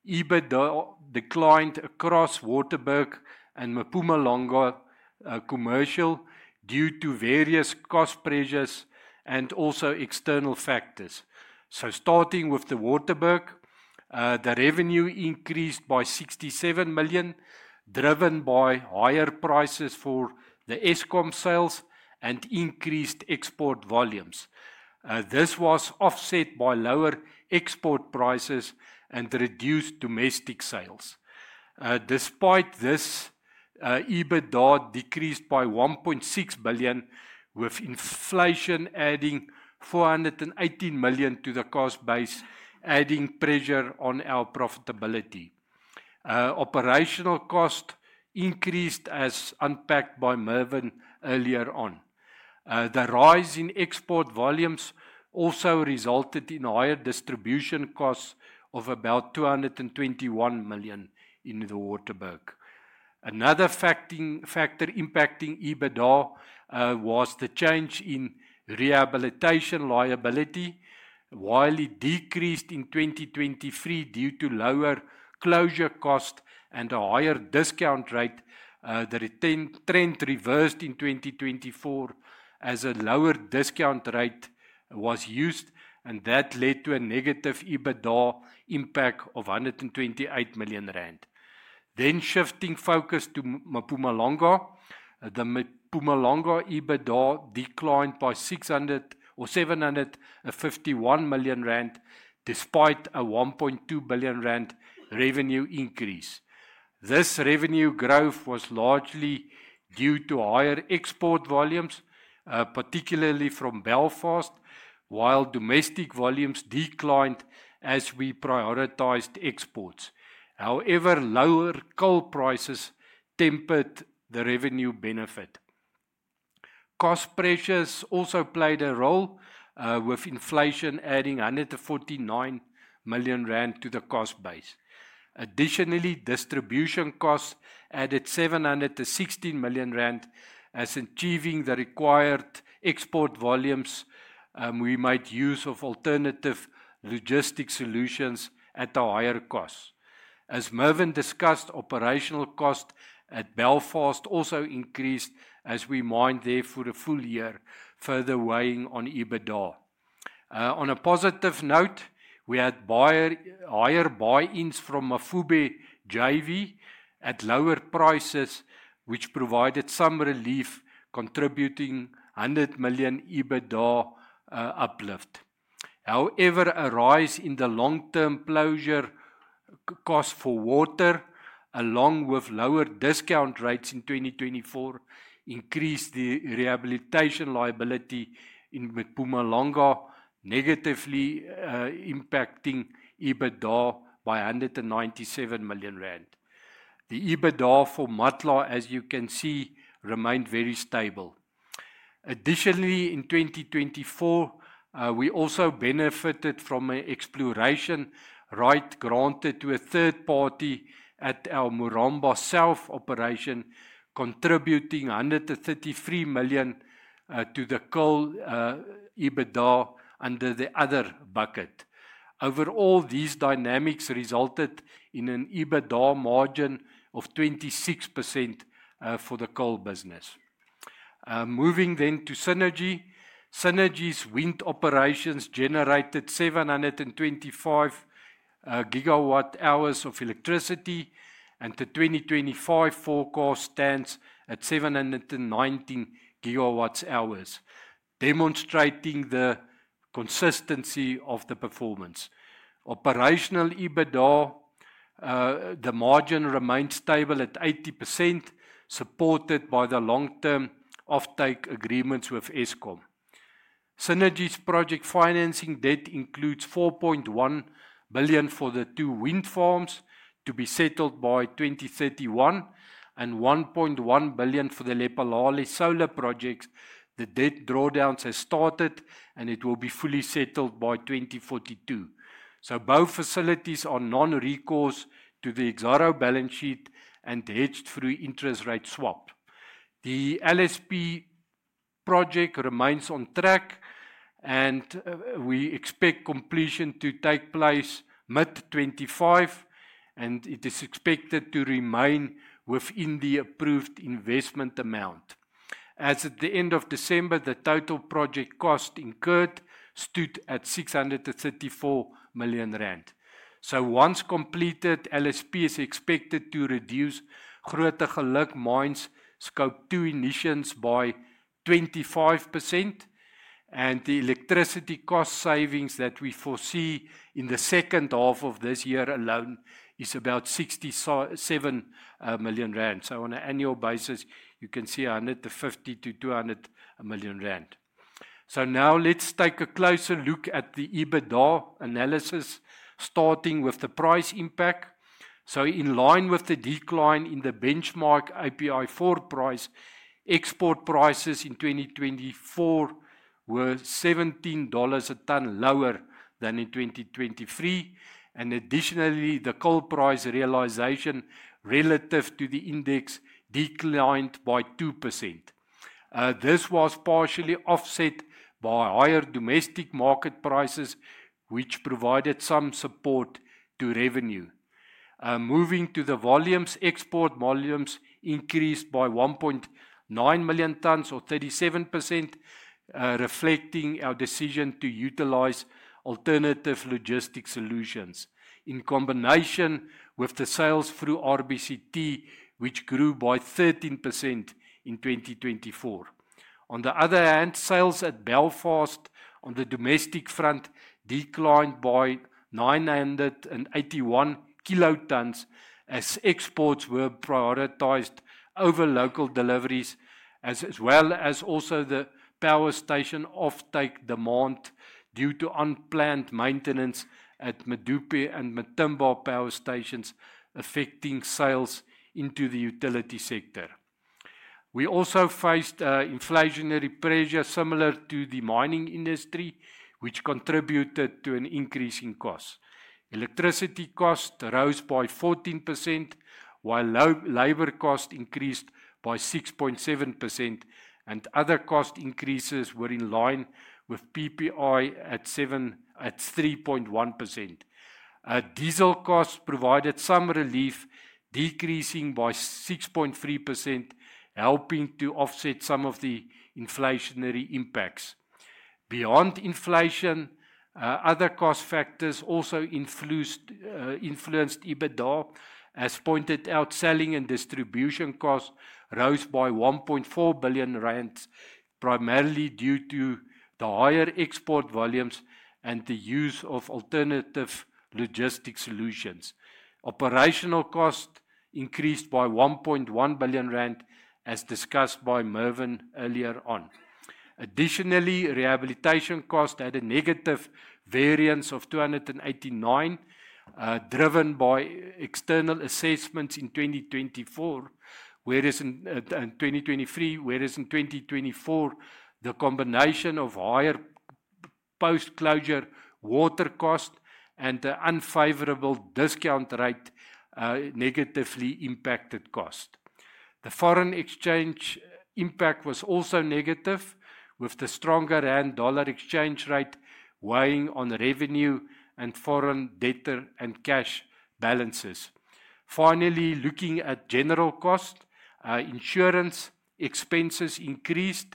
EBITDA declined across Waterberg and Mpumalanga commercial due to various cost pressures and also external factors. Starting with the Waterberg, the revenue increased by 67 million, driven by higher prices for the Eskom sales and increased export volumes. This was offset by lower export prices and reduced domestic sales. Despite this, EBITDA decreased by 1.6 billion, with inflation adding 418 million to the cost base, adding pressure on our profitability. Operational cost increased, as unpacked by Mervin earlier on. The rise in export volumes also resulted in higher distribution costs of about 221 million in the Waterberg. Another factor impacting EBITDA was the change in rehabilitation liability. While it decreased in 2023 due to lower closure cost and a higher discount rate, the trend reversed in 2024 as a lower discount rate was used, and that led to a negative EBITDA impact of 128 million rand. Shifting focus to Mpumalanga, the Mpumalanga EBITDA declined by 751 million rand despite a 1.2 billion rand revenue increase. This revenue growth was largely due to higher export volumes, particularly from Belfast, while domestic volumes declined as we prioritized exports. However, lower coal prices tempered the revenue benefit. Cost pressures also played a role, with inflation adding 149 million rand to the cost base. Additionally, distribution costs added 716 million rand. As achieving the required export volumes, we might use alternative logistics solutions at a higher cost. As Mervin discussed, operational cost at Belfast also increased as we mined there for the full year, further weighing on EBITDA. On a positive note, we had higher buy-ins from Mafube JV at lower prices, which provided some relief, contributing 100 million EBITDA uplift. However, a rise in the long-term closure cost for water, along with lower discount rates in 2024, increased the rehabilitation liability in Mpumalanga, negatively impacting EBITDA by 197 million rand. The EBITDA for Matla, as you can see, remained very stable. Additionally, in 2024, we also benefited from an exploration right granted to a third party at our Moranbah South operation, contributing 133 million to the coal EBITDA under the other bucket. Overall, these dynamics resulted in an EBITDA margin of 26% for the coal business. Moving then to Synergy. Synergy's wind operations generated 725 GWh of electricity, and the 2025 forecast stands at 719 GWh, demonstrating the consistency of the performance. Operational EBITDA, the margin remained stable at 80%, supported by the long-term offtake agreements with Eskom. Synergy's project financing debt includes 4.1 billion for the two wind farms to be settled by 2031, and 1.1 billion for the Lephalale solar projects. The debt drawdowns have started, and it will be fully settled by 2042. Both facilities are non-recourse to the Exxaro balance sheet and hedged through interest rate swap. The LSP project remains on track, and we expect completion to take place mid-2025, and it is expected to remain within the approved investment amount. As at the end of December, the total project cost incurred stood at 634 million rand. Once completed, LSP is expected to reduce Grootegeluk Mine's scope two emissions by 25%, and the electricity cost savings that we foresee in the second half of this year alone is about 67 million rand. On an annual basis, you can see 150-200 million rand. Let's take a closer look at the EBITDA analysis, starting with the price impact. In line with the decline in the benchmark API4 Index price, export prices in 2024 were $17 a tonne lower than in 2023. Additionally, the coal price realization relative to the index declined by 2%. This was partially offset by higher domestic market prices, which provided some support to revenue. Moving to the volumes, export volumes increased by 1.9 million tonnes or 37%, reflecting our decision to utilize alternative logistics solutions in combination with the sales through RBCT, which grew by 13% in 2024. On the other hand, sales at Belfast on the domestic front declined by 981 kilotonnes as exports were prioritized over local deliveries, as well as the power station offtake demand due to unplanned maintenance at Medupi and Matimba power stations, affecting sales into the utility sector. We also faced inflationary pressure similar to the mining industry, which contributed to an increase in costs. Electricity cost rose by 14%, while labor cost increased by 6.7%, and other cost increases were in line with PPI at 3.1%. Diesel costs provided some relief, decreasing by 6.3%, helping to offset some of the inflationary impacts. Beyond inflation, other cost factors also influenced EBITDA, as pointed out. Selling and distribution costs rose by 1.4 billion rand, primarily due to the higher export volumes and the use of alternative logistics solutions. Operational cost increased by 1.1 billion rand, as discussed by Mervin earlier on. Additionally, rehabilitation costs had a negative variance of 289 million, driven by external assessments in 2024, whereas in 2024, the combination of higher post-closure water cost and the unfavorable discount rate negatively impacted costs. The foreign exchange impact was also negative, with the stronger ZAR-USD exchange rate weighing on revenue and foreign debtor and cash balances. Finally, looking at general costs, insurance expenses increased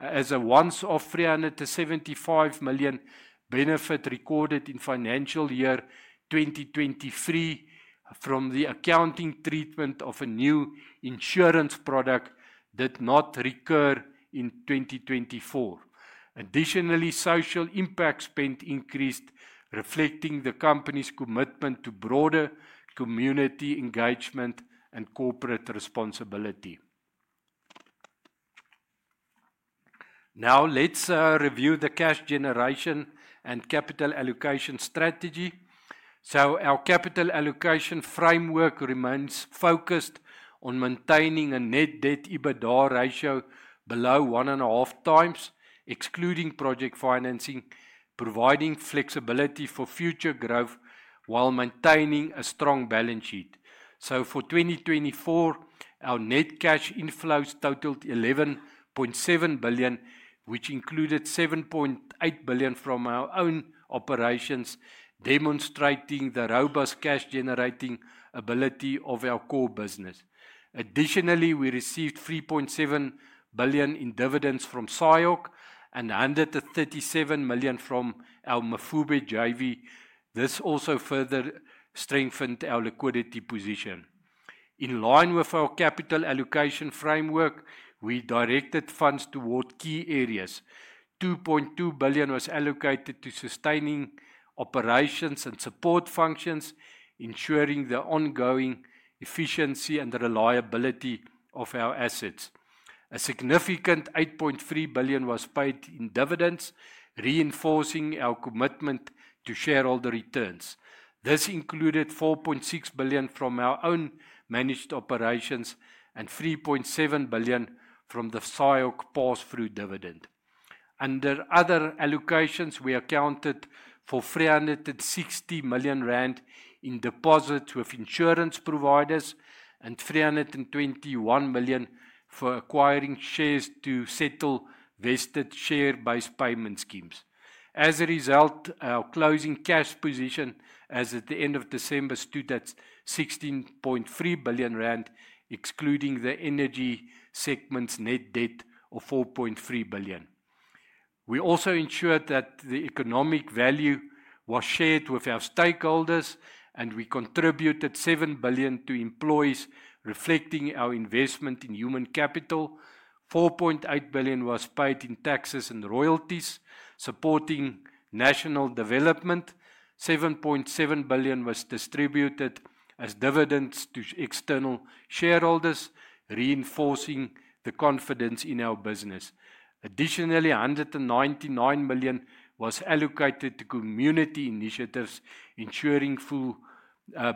as a once-off 375 million benefit recorded in financial year 2023 from the accounting treatment of a new insurance product that did not recur in 2024. Additionally, social impact spend increased, reflecting the company's commitment to broader community engagement and corporate responsibility. Now let's review the cash generation and capital allocation strategy. Our capital allocation framework remains focused on maintaining a net debt EBITDA ratio below 1.5 times, excluding project financing, providing flexibility for future growth while maintaining a strong balance sheet. For 2024, our net cash inflows totaled 11.7 billion, which included 7.8 billion from our own operations, demonstrating the robust cash generating ability of our core business. Additionally, we received 3.7 billion in dividends from SIOC and 137 million from our Mafube JV. This also further strengthened our liquidity position. In line with our capital allocation framework, we directed funds toward key areas. 2.2 billion was allocated to sustaining operations and support functions, ensuring the ongoing efficiency and reliability of our assets. A significant 8.3 billion was paid in dividends, reinforcing our commitment to shareholder returns. This included 4.6 billion from our own managed operations and 3.7 billion from the SIOC pass-through dividend. Under other allocations, we accounted for 360 million rand in deposits with insurance providers and 321 million for acquiring shares to settle vested share-based payment schemes. As a result, our closing cash position as at the end of December stood at 16.3 billion rand, excluding the energy segment's net debt of 4.3 billion. We also ensured that the economic value was shared with our stakeholders, and we contributed 7 billion to employees, reflecting our investment in human capital. 4.8 billion was paid in taxes and royalties, supporting national development. 7.7 billion was distributed as dividends to external shareholders, reinforcing the confidence in our business. Additionally, 199 million was allocated to community initiatives, ensuring full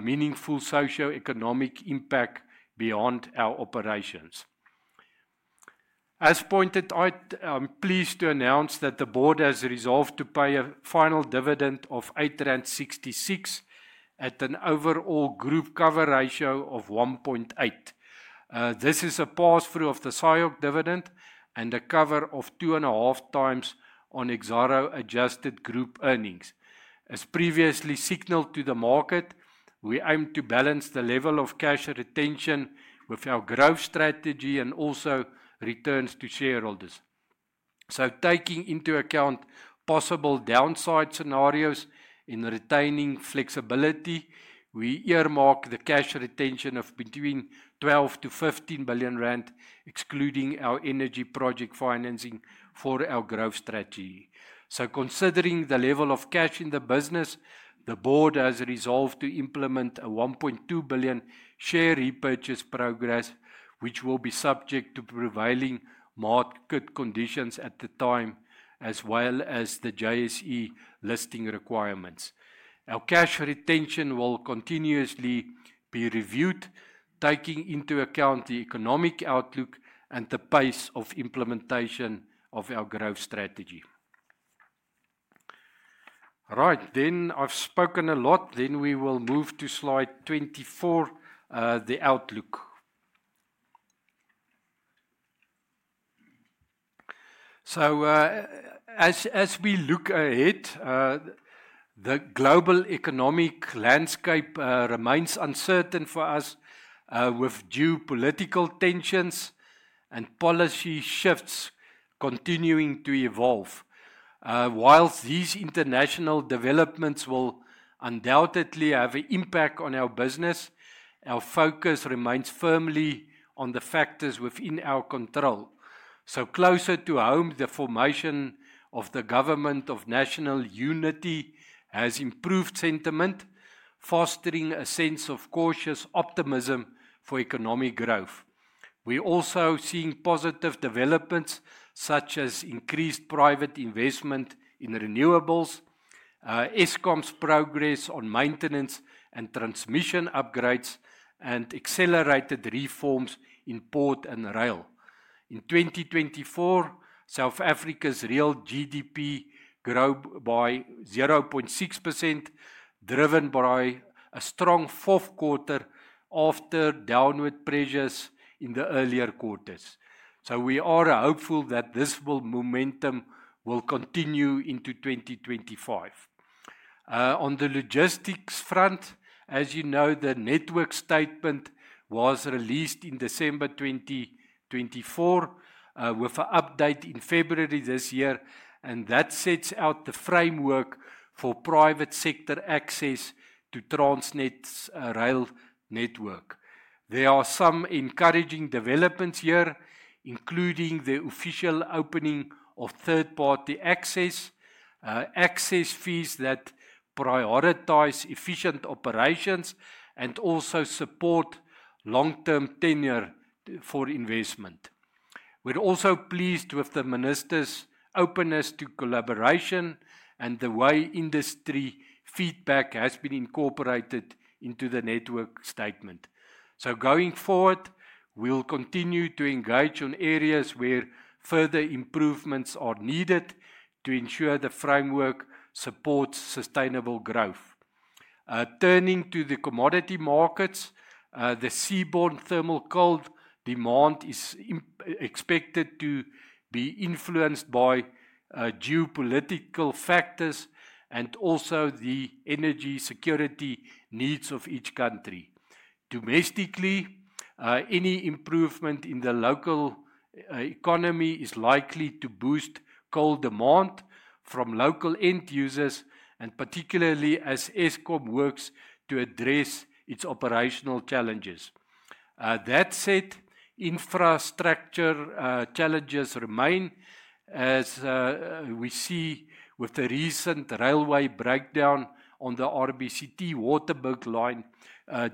meaningful socio-economic impact beyond our operations. As pointed out, I'm pleased to announce that the board has resolved to pay a final dividend of 8.66 at an overall group cover ratio of 1.8. This is a pass-through of the SIOC dividend and a cover of two and a half times on Exxaro adjusted group earnings. As previously signaled to the market, we aim to balance the level of cash retention with our growth strategy and also returns to shareholders. Taking into account possible downside scenarios and retaining flexibility, we earmark the cash retention of between 12 billion-15 billion rand, excluding our energy project financing for our growth strategy. Considering the level of cash in the business, the board has resolved to implement a 1.2 billion share repurchase program, which will be subject to prevailing market conditions at the time, as well as the JSE listing requirements. Our cash retention will continuously be reviewed, taking into account the economic outlook and the pace of implementation of our growth strategy. All right, I have spoken a lot, we will move to slide 24, the outlook. As we look ahead, the global economic landscape remains uncertain for us with geopolitical tensions and policy shifts continuing to evolve. Whilst these international developments will undoubtedly have an impact on our business, our focus remains firmly on the factors within our control. Closer to home, the formation of the government of national unity has improved sentiment, fostering a sense of cautious optimism for economic growth. We also see positive developments such as increased private investment in renewables, Eskom's progress on maintenance and transmission upgrades, and accelerated reforms in port and rail. In 2024, South Africa's real GDP grew by 0.6%, driven by a strong fourth quarter after downward pressures in the earlier quarters. We are hopeful that this momentum will continue into 2025. On the logistics front, as you know, the network statement was released in December 2024 with an update in February this year, and that sets out the framework for private sector access to Transnet's rail network. There are some encouraging developments here, including the official opening of third-party access fees that prioritize efficient operations and also support long-term tenure for investment. We are also pleased with the minister's openness to collaboration and the way industry feedback has been incorporated into the network statement. Going forward, we will continue to engage on areas where further improvements are needed to ensure the framework supports sustainable growth. Turning to the commodity markets, the seaborne thermal coal demand is expected to be influenced by geopolitical factors and also the energy security needs of each country. Domestically, any improvement in the local economy is likely to boost coal demand from local end users, particularly as Eskom works to address its operational challenges. That said, infrastructure challenges remain, as we see with the recent railway breakdown on the RBCT Waterberg line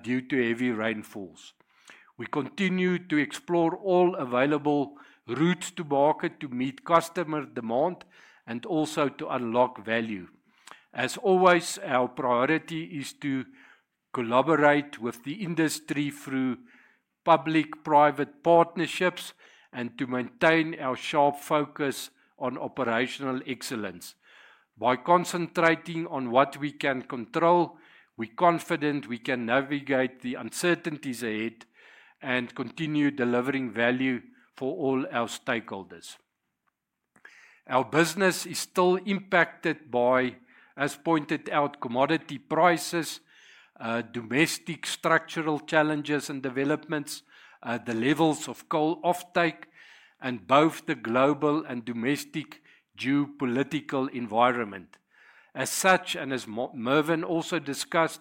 due to heavy rainfalls. We continue to explore all available routes to market to meet customer demand and also to unlock value. As always, our priority is to collaborate with the industry through public-private partnerships and to maintain our sharp focus on operational excellence. By concentrating on what we can control, we are confident we can navigate the uncertainties ahead and continue delivering value for all our stakeholders. Our business is still impacted by, as pointed out, commodity prices, domestic structural challenges and developments, the levels of coal offtake, and both the global and domestic geopolitical environment. As such, and as Mervin also discussed,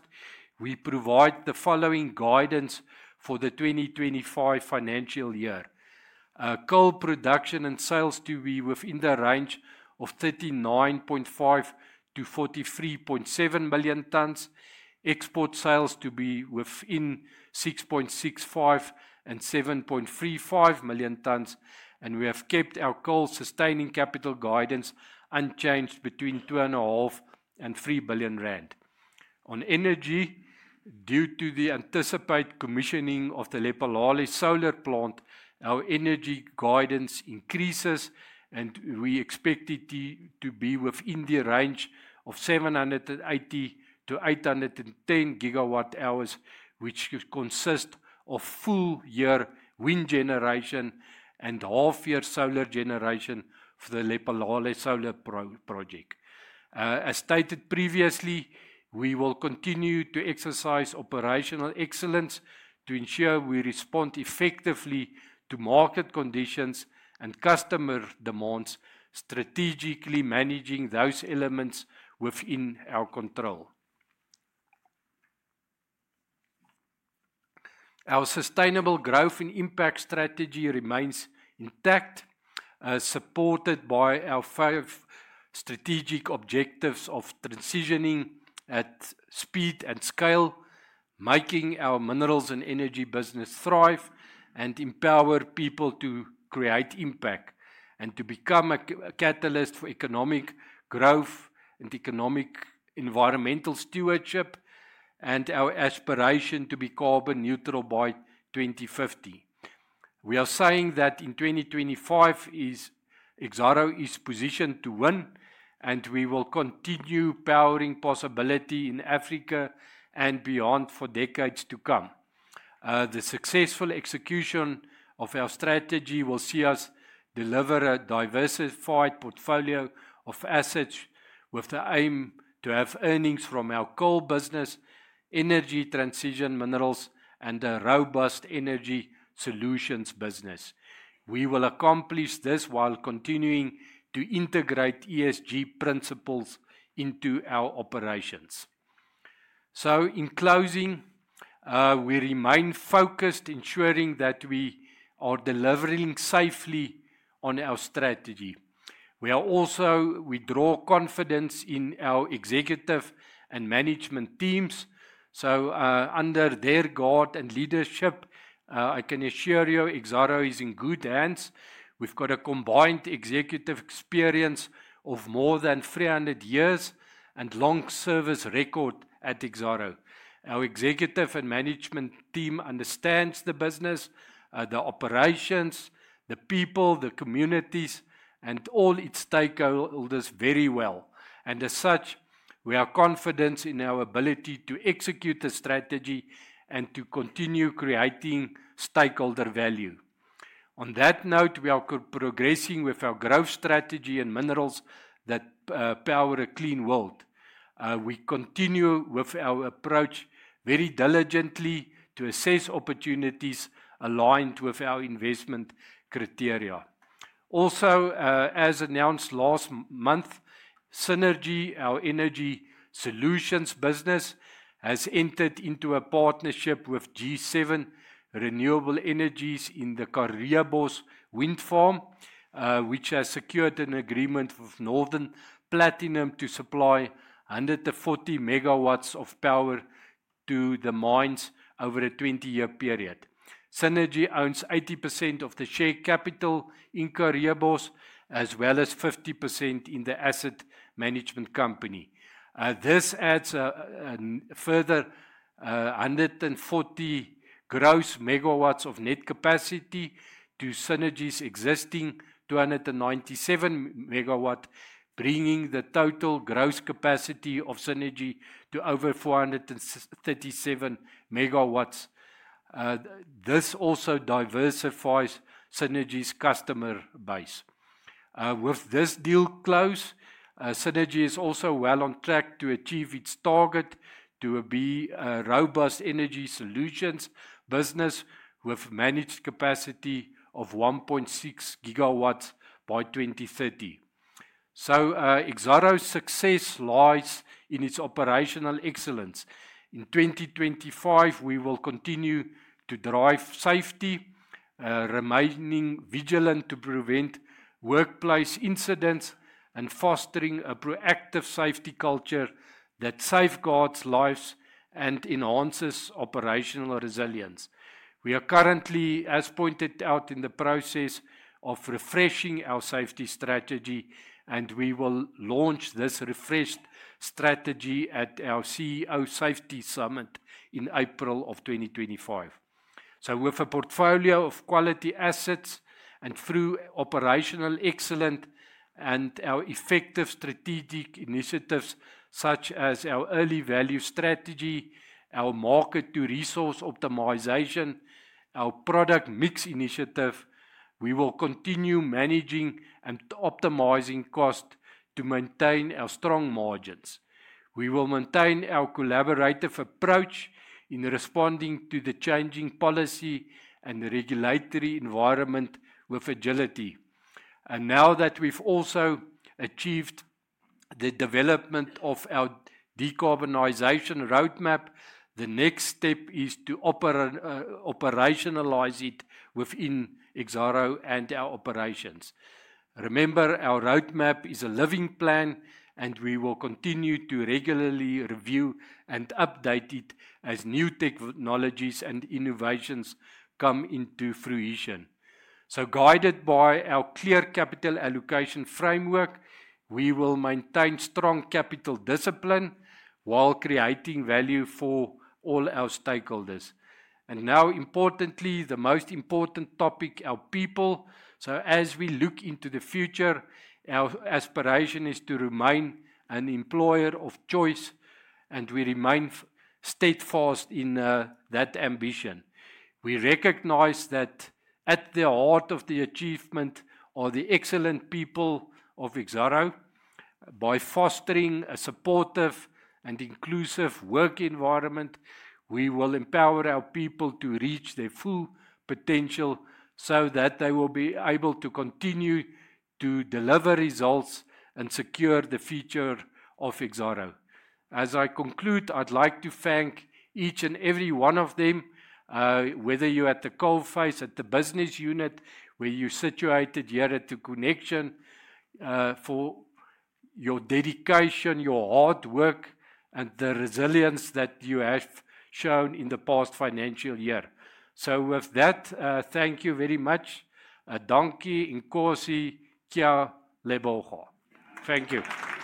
we provide the following guidance for the 2025 financial year. Coal production and sales to be within the range of 39.5 million tonnes-43.7 million tonnes. Export sales to be within 6.65 million tonnes-7.35 million tonnes. We have kept our coal sustaining capital guidance unchanged between 2.5 billion and 3 billion rand. On energy, due to the anticipated commissioning of the Lephalale solar plant, our energy guidance increases, and we expect it to be within the range of 780 GWh-810 GWh, which consists of full-year wind generation and half-year solar generation for the Lephalale solar project. As stated previously, we will continue to exercise operational excellence to ensure we respond effectively to market conditions and customer demands, strategically managing those elements within our control. Our sustainable growth and impact strategy remains intact, supported by our five strategic objectives of transitioning at speed and scale, making our minerals and energy business thrive and empower people to create impact and to become a catalyst for economic growth and economic environmental stewardship, and our aspiration to be carbon neutral by 2050. We are saying that in 2025, Exxaro is positioned to win, and we will continue powering possibility in Africa and beyond for decades to come. The successful execution of our strategy will see us deliver a diversified portfolio of assets with the aim to have earnings from our coal business, energy transition minerals, and a robust energy solutions business. We will accomplish this while continuing to integrate ESG principles into our operations. In closing, we remain focused, ensuring that we are delivering safely on our strategy. We also draw confidence in our executive and management teams. Under their guard and leadership, I can assure you Exxaro is in good hands. We've got a combined executive experience of more than 300 years and a long service record at Exxaro. Our executive and management team understands the business, the operations, the people, the communities, and all its stakeholders very well. As such, we are confident in our ability to execute the strategy and to continue creating stakeholder value. On that note, we are progressing with our growth strategy and minerals that power a clean world. We continue with our approach very diligently to assess opportunities aligned with our investment criteria. Also, as announced last month, Synergy, our energy solutions business, has entered into a partnership with G7 Renewable Energies in the Karreebosch wind farm, which has secured an agreement with Northam Platinum to supply 140 MW of power to the mines over a 20-year period. Synergy owns 80% of the share capital in Karreebosch, as well as 50% in the asset management company. This adds a further 140 gross MW of net capacity to Synergy's existing 297 MW, bringing the total gross capacity of Synergy to over 437 MW. This also diversifies Synergy's customer base. With this deal closed, Synergy is also well on track to achieve its target to be a robust energy solutions business with a managed capacity of 1.6 GW by 2030. Exxaro's success lies in its operational excellence. In 2025, we will continue to drive safety, remaining vigilant to prevent workplace incidents, and fostering a proactive safety culture that safeguards lives and enhances operational resilience. We are currently, as pointed out in the process, refreshing our safety strategy, and we will launch this refreshed strategy at our CEO Safety Summit in April of 2025. With a portfolio of quality assets and through operational excellence and our effective strategic initiatives such as our early value strategy, our market to resource optimization, our product mix initiative, we will continue managing and optimizing costs to maintain our strong margins. We will maintain our collaborative approach in responding to the changing policy and regulatory environment with agility. Now that we've also achieved the development of our decarbonization roadmap, the next step is to operationalize it within Exxaro and our operations. Remember, our roadmap is a living plan, and we will continue to regularly review and update it as new technologies and innovations come into fruition. Guided by our clear capital allocation framework, we will maintain strong capital discipline while creating value for all our stakeholders. Importantly, the most important topic, our people. As we look into the future, our aspiration is to remain an employer of choice, and we remain steadfast in that ambition. We recognize that at the heart of the achievement are the excellent people of Exxaro. By fostering a supportive and inclusive work environment, we will empower our people to reach their full potential so that they will be able to continue to deliver results and secure the future of Exxaro. As I conclude, I'd like to thank each and every one of them, whether you're at the coalface, at the business unit, where you're situated here at the connection, for your dedication, your hard work, and the resilience that you have shown in the past financial year. Thank you very much. Danke, in kosi, kya Leboha. Thank you.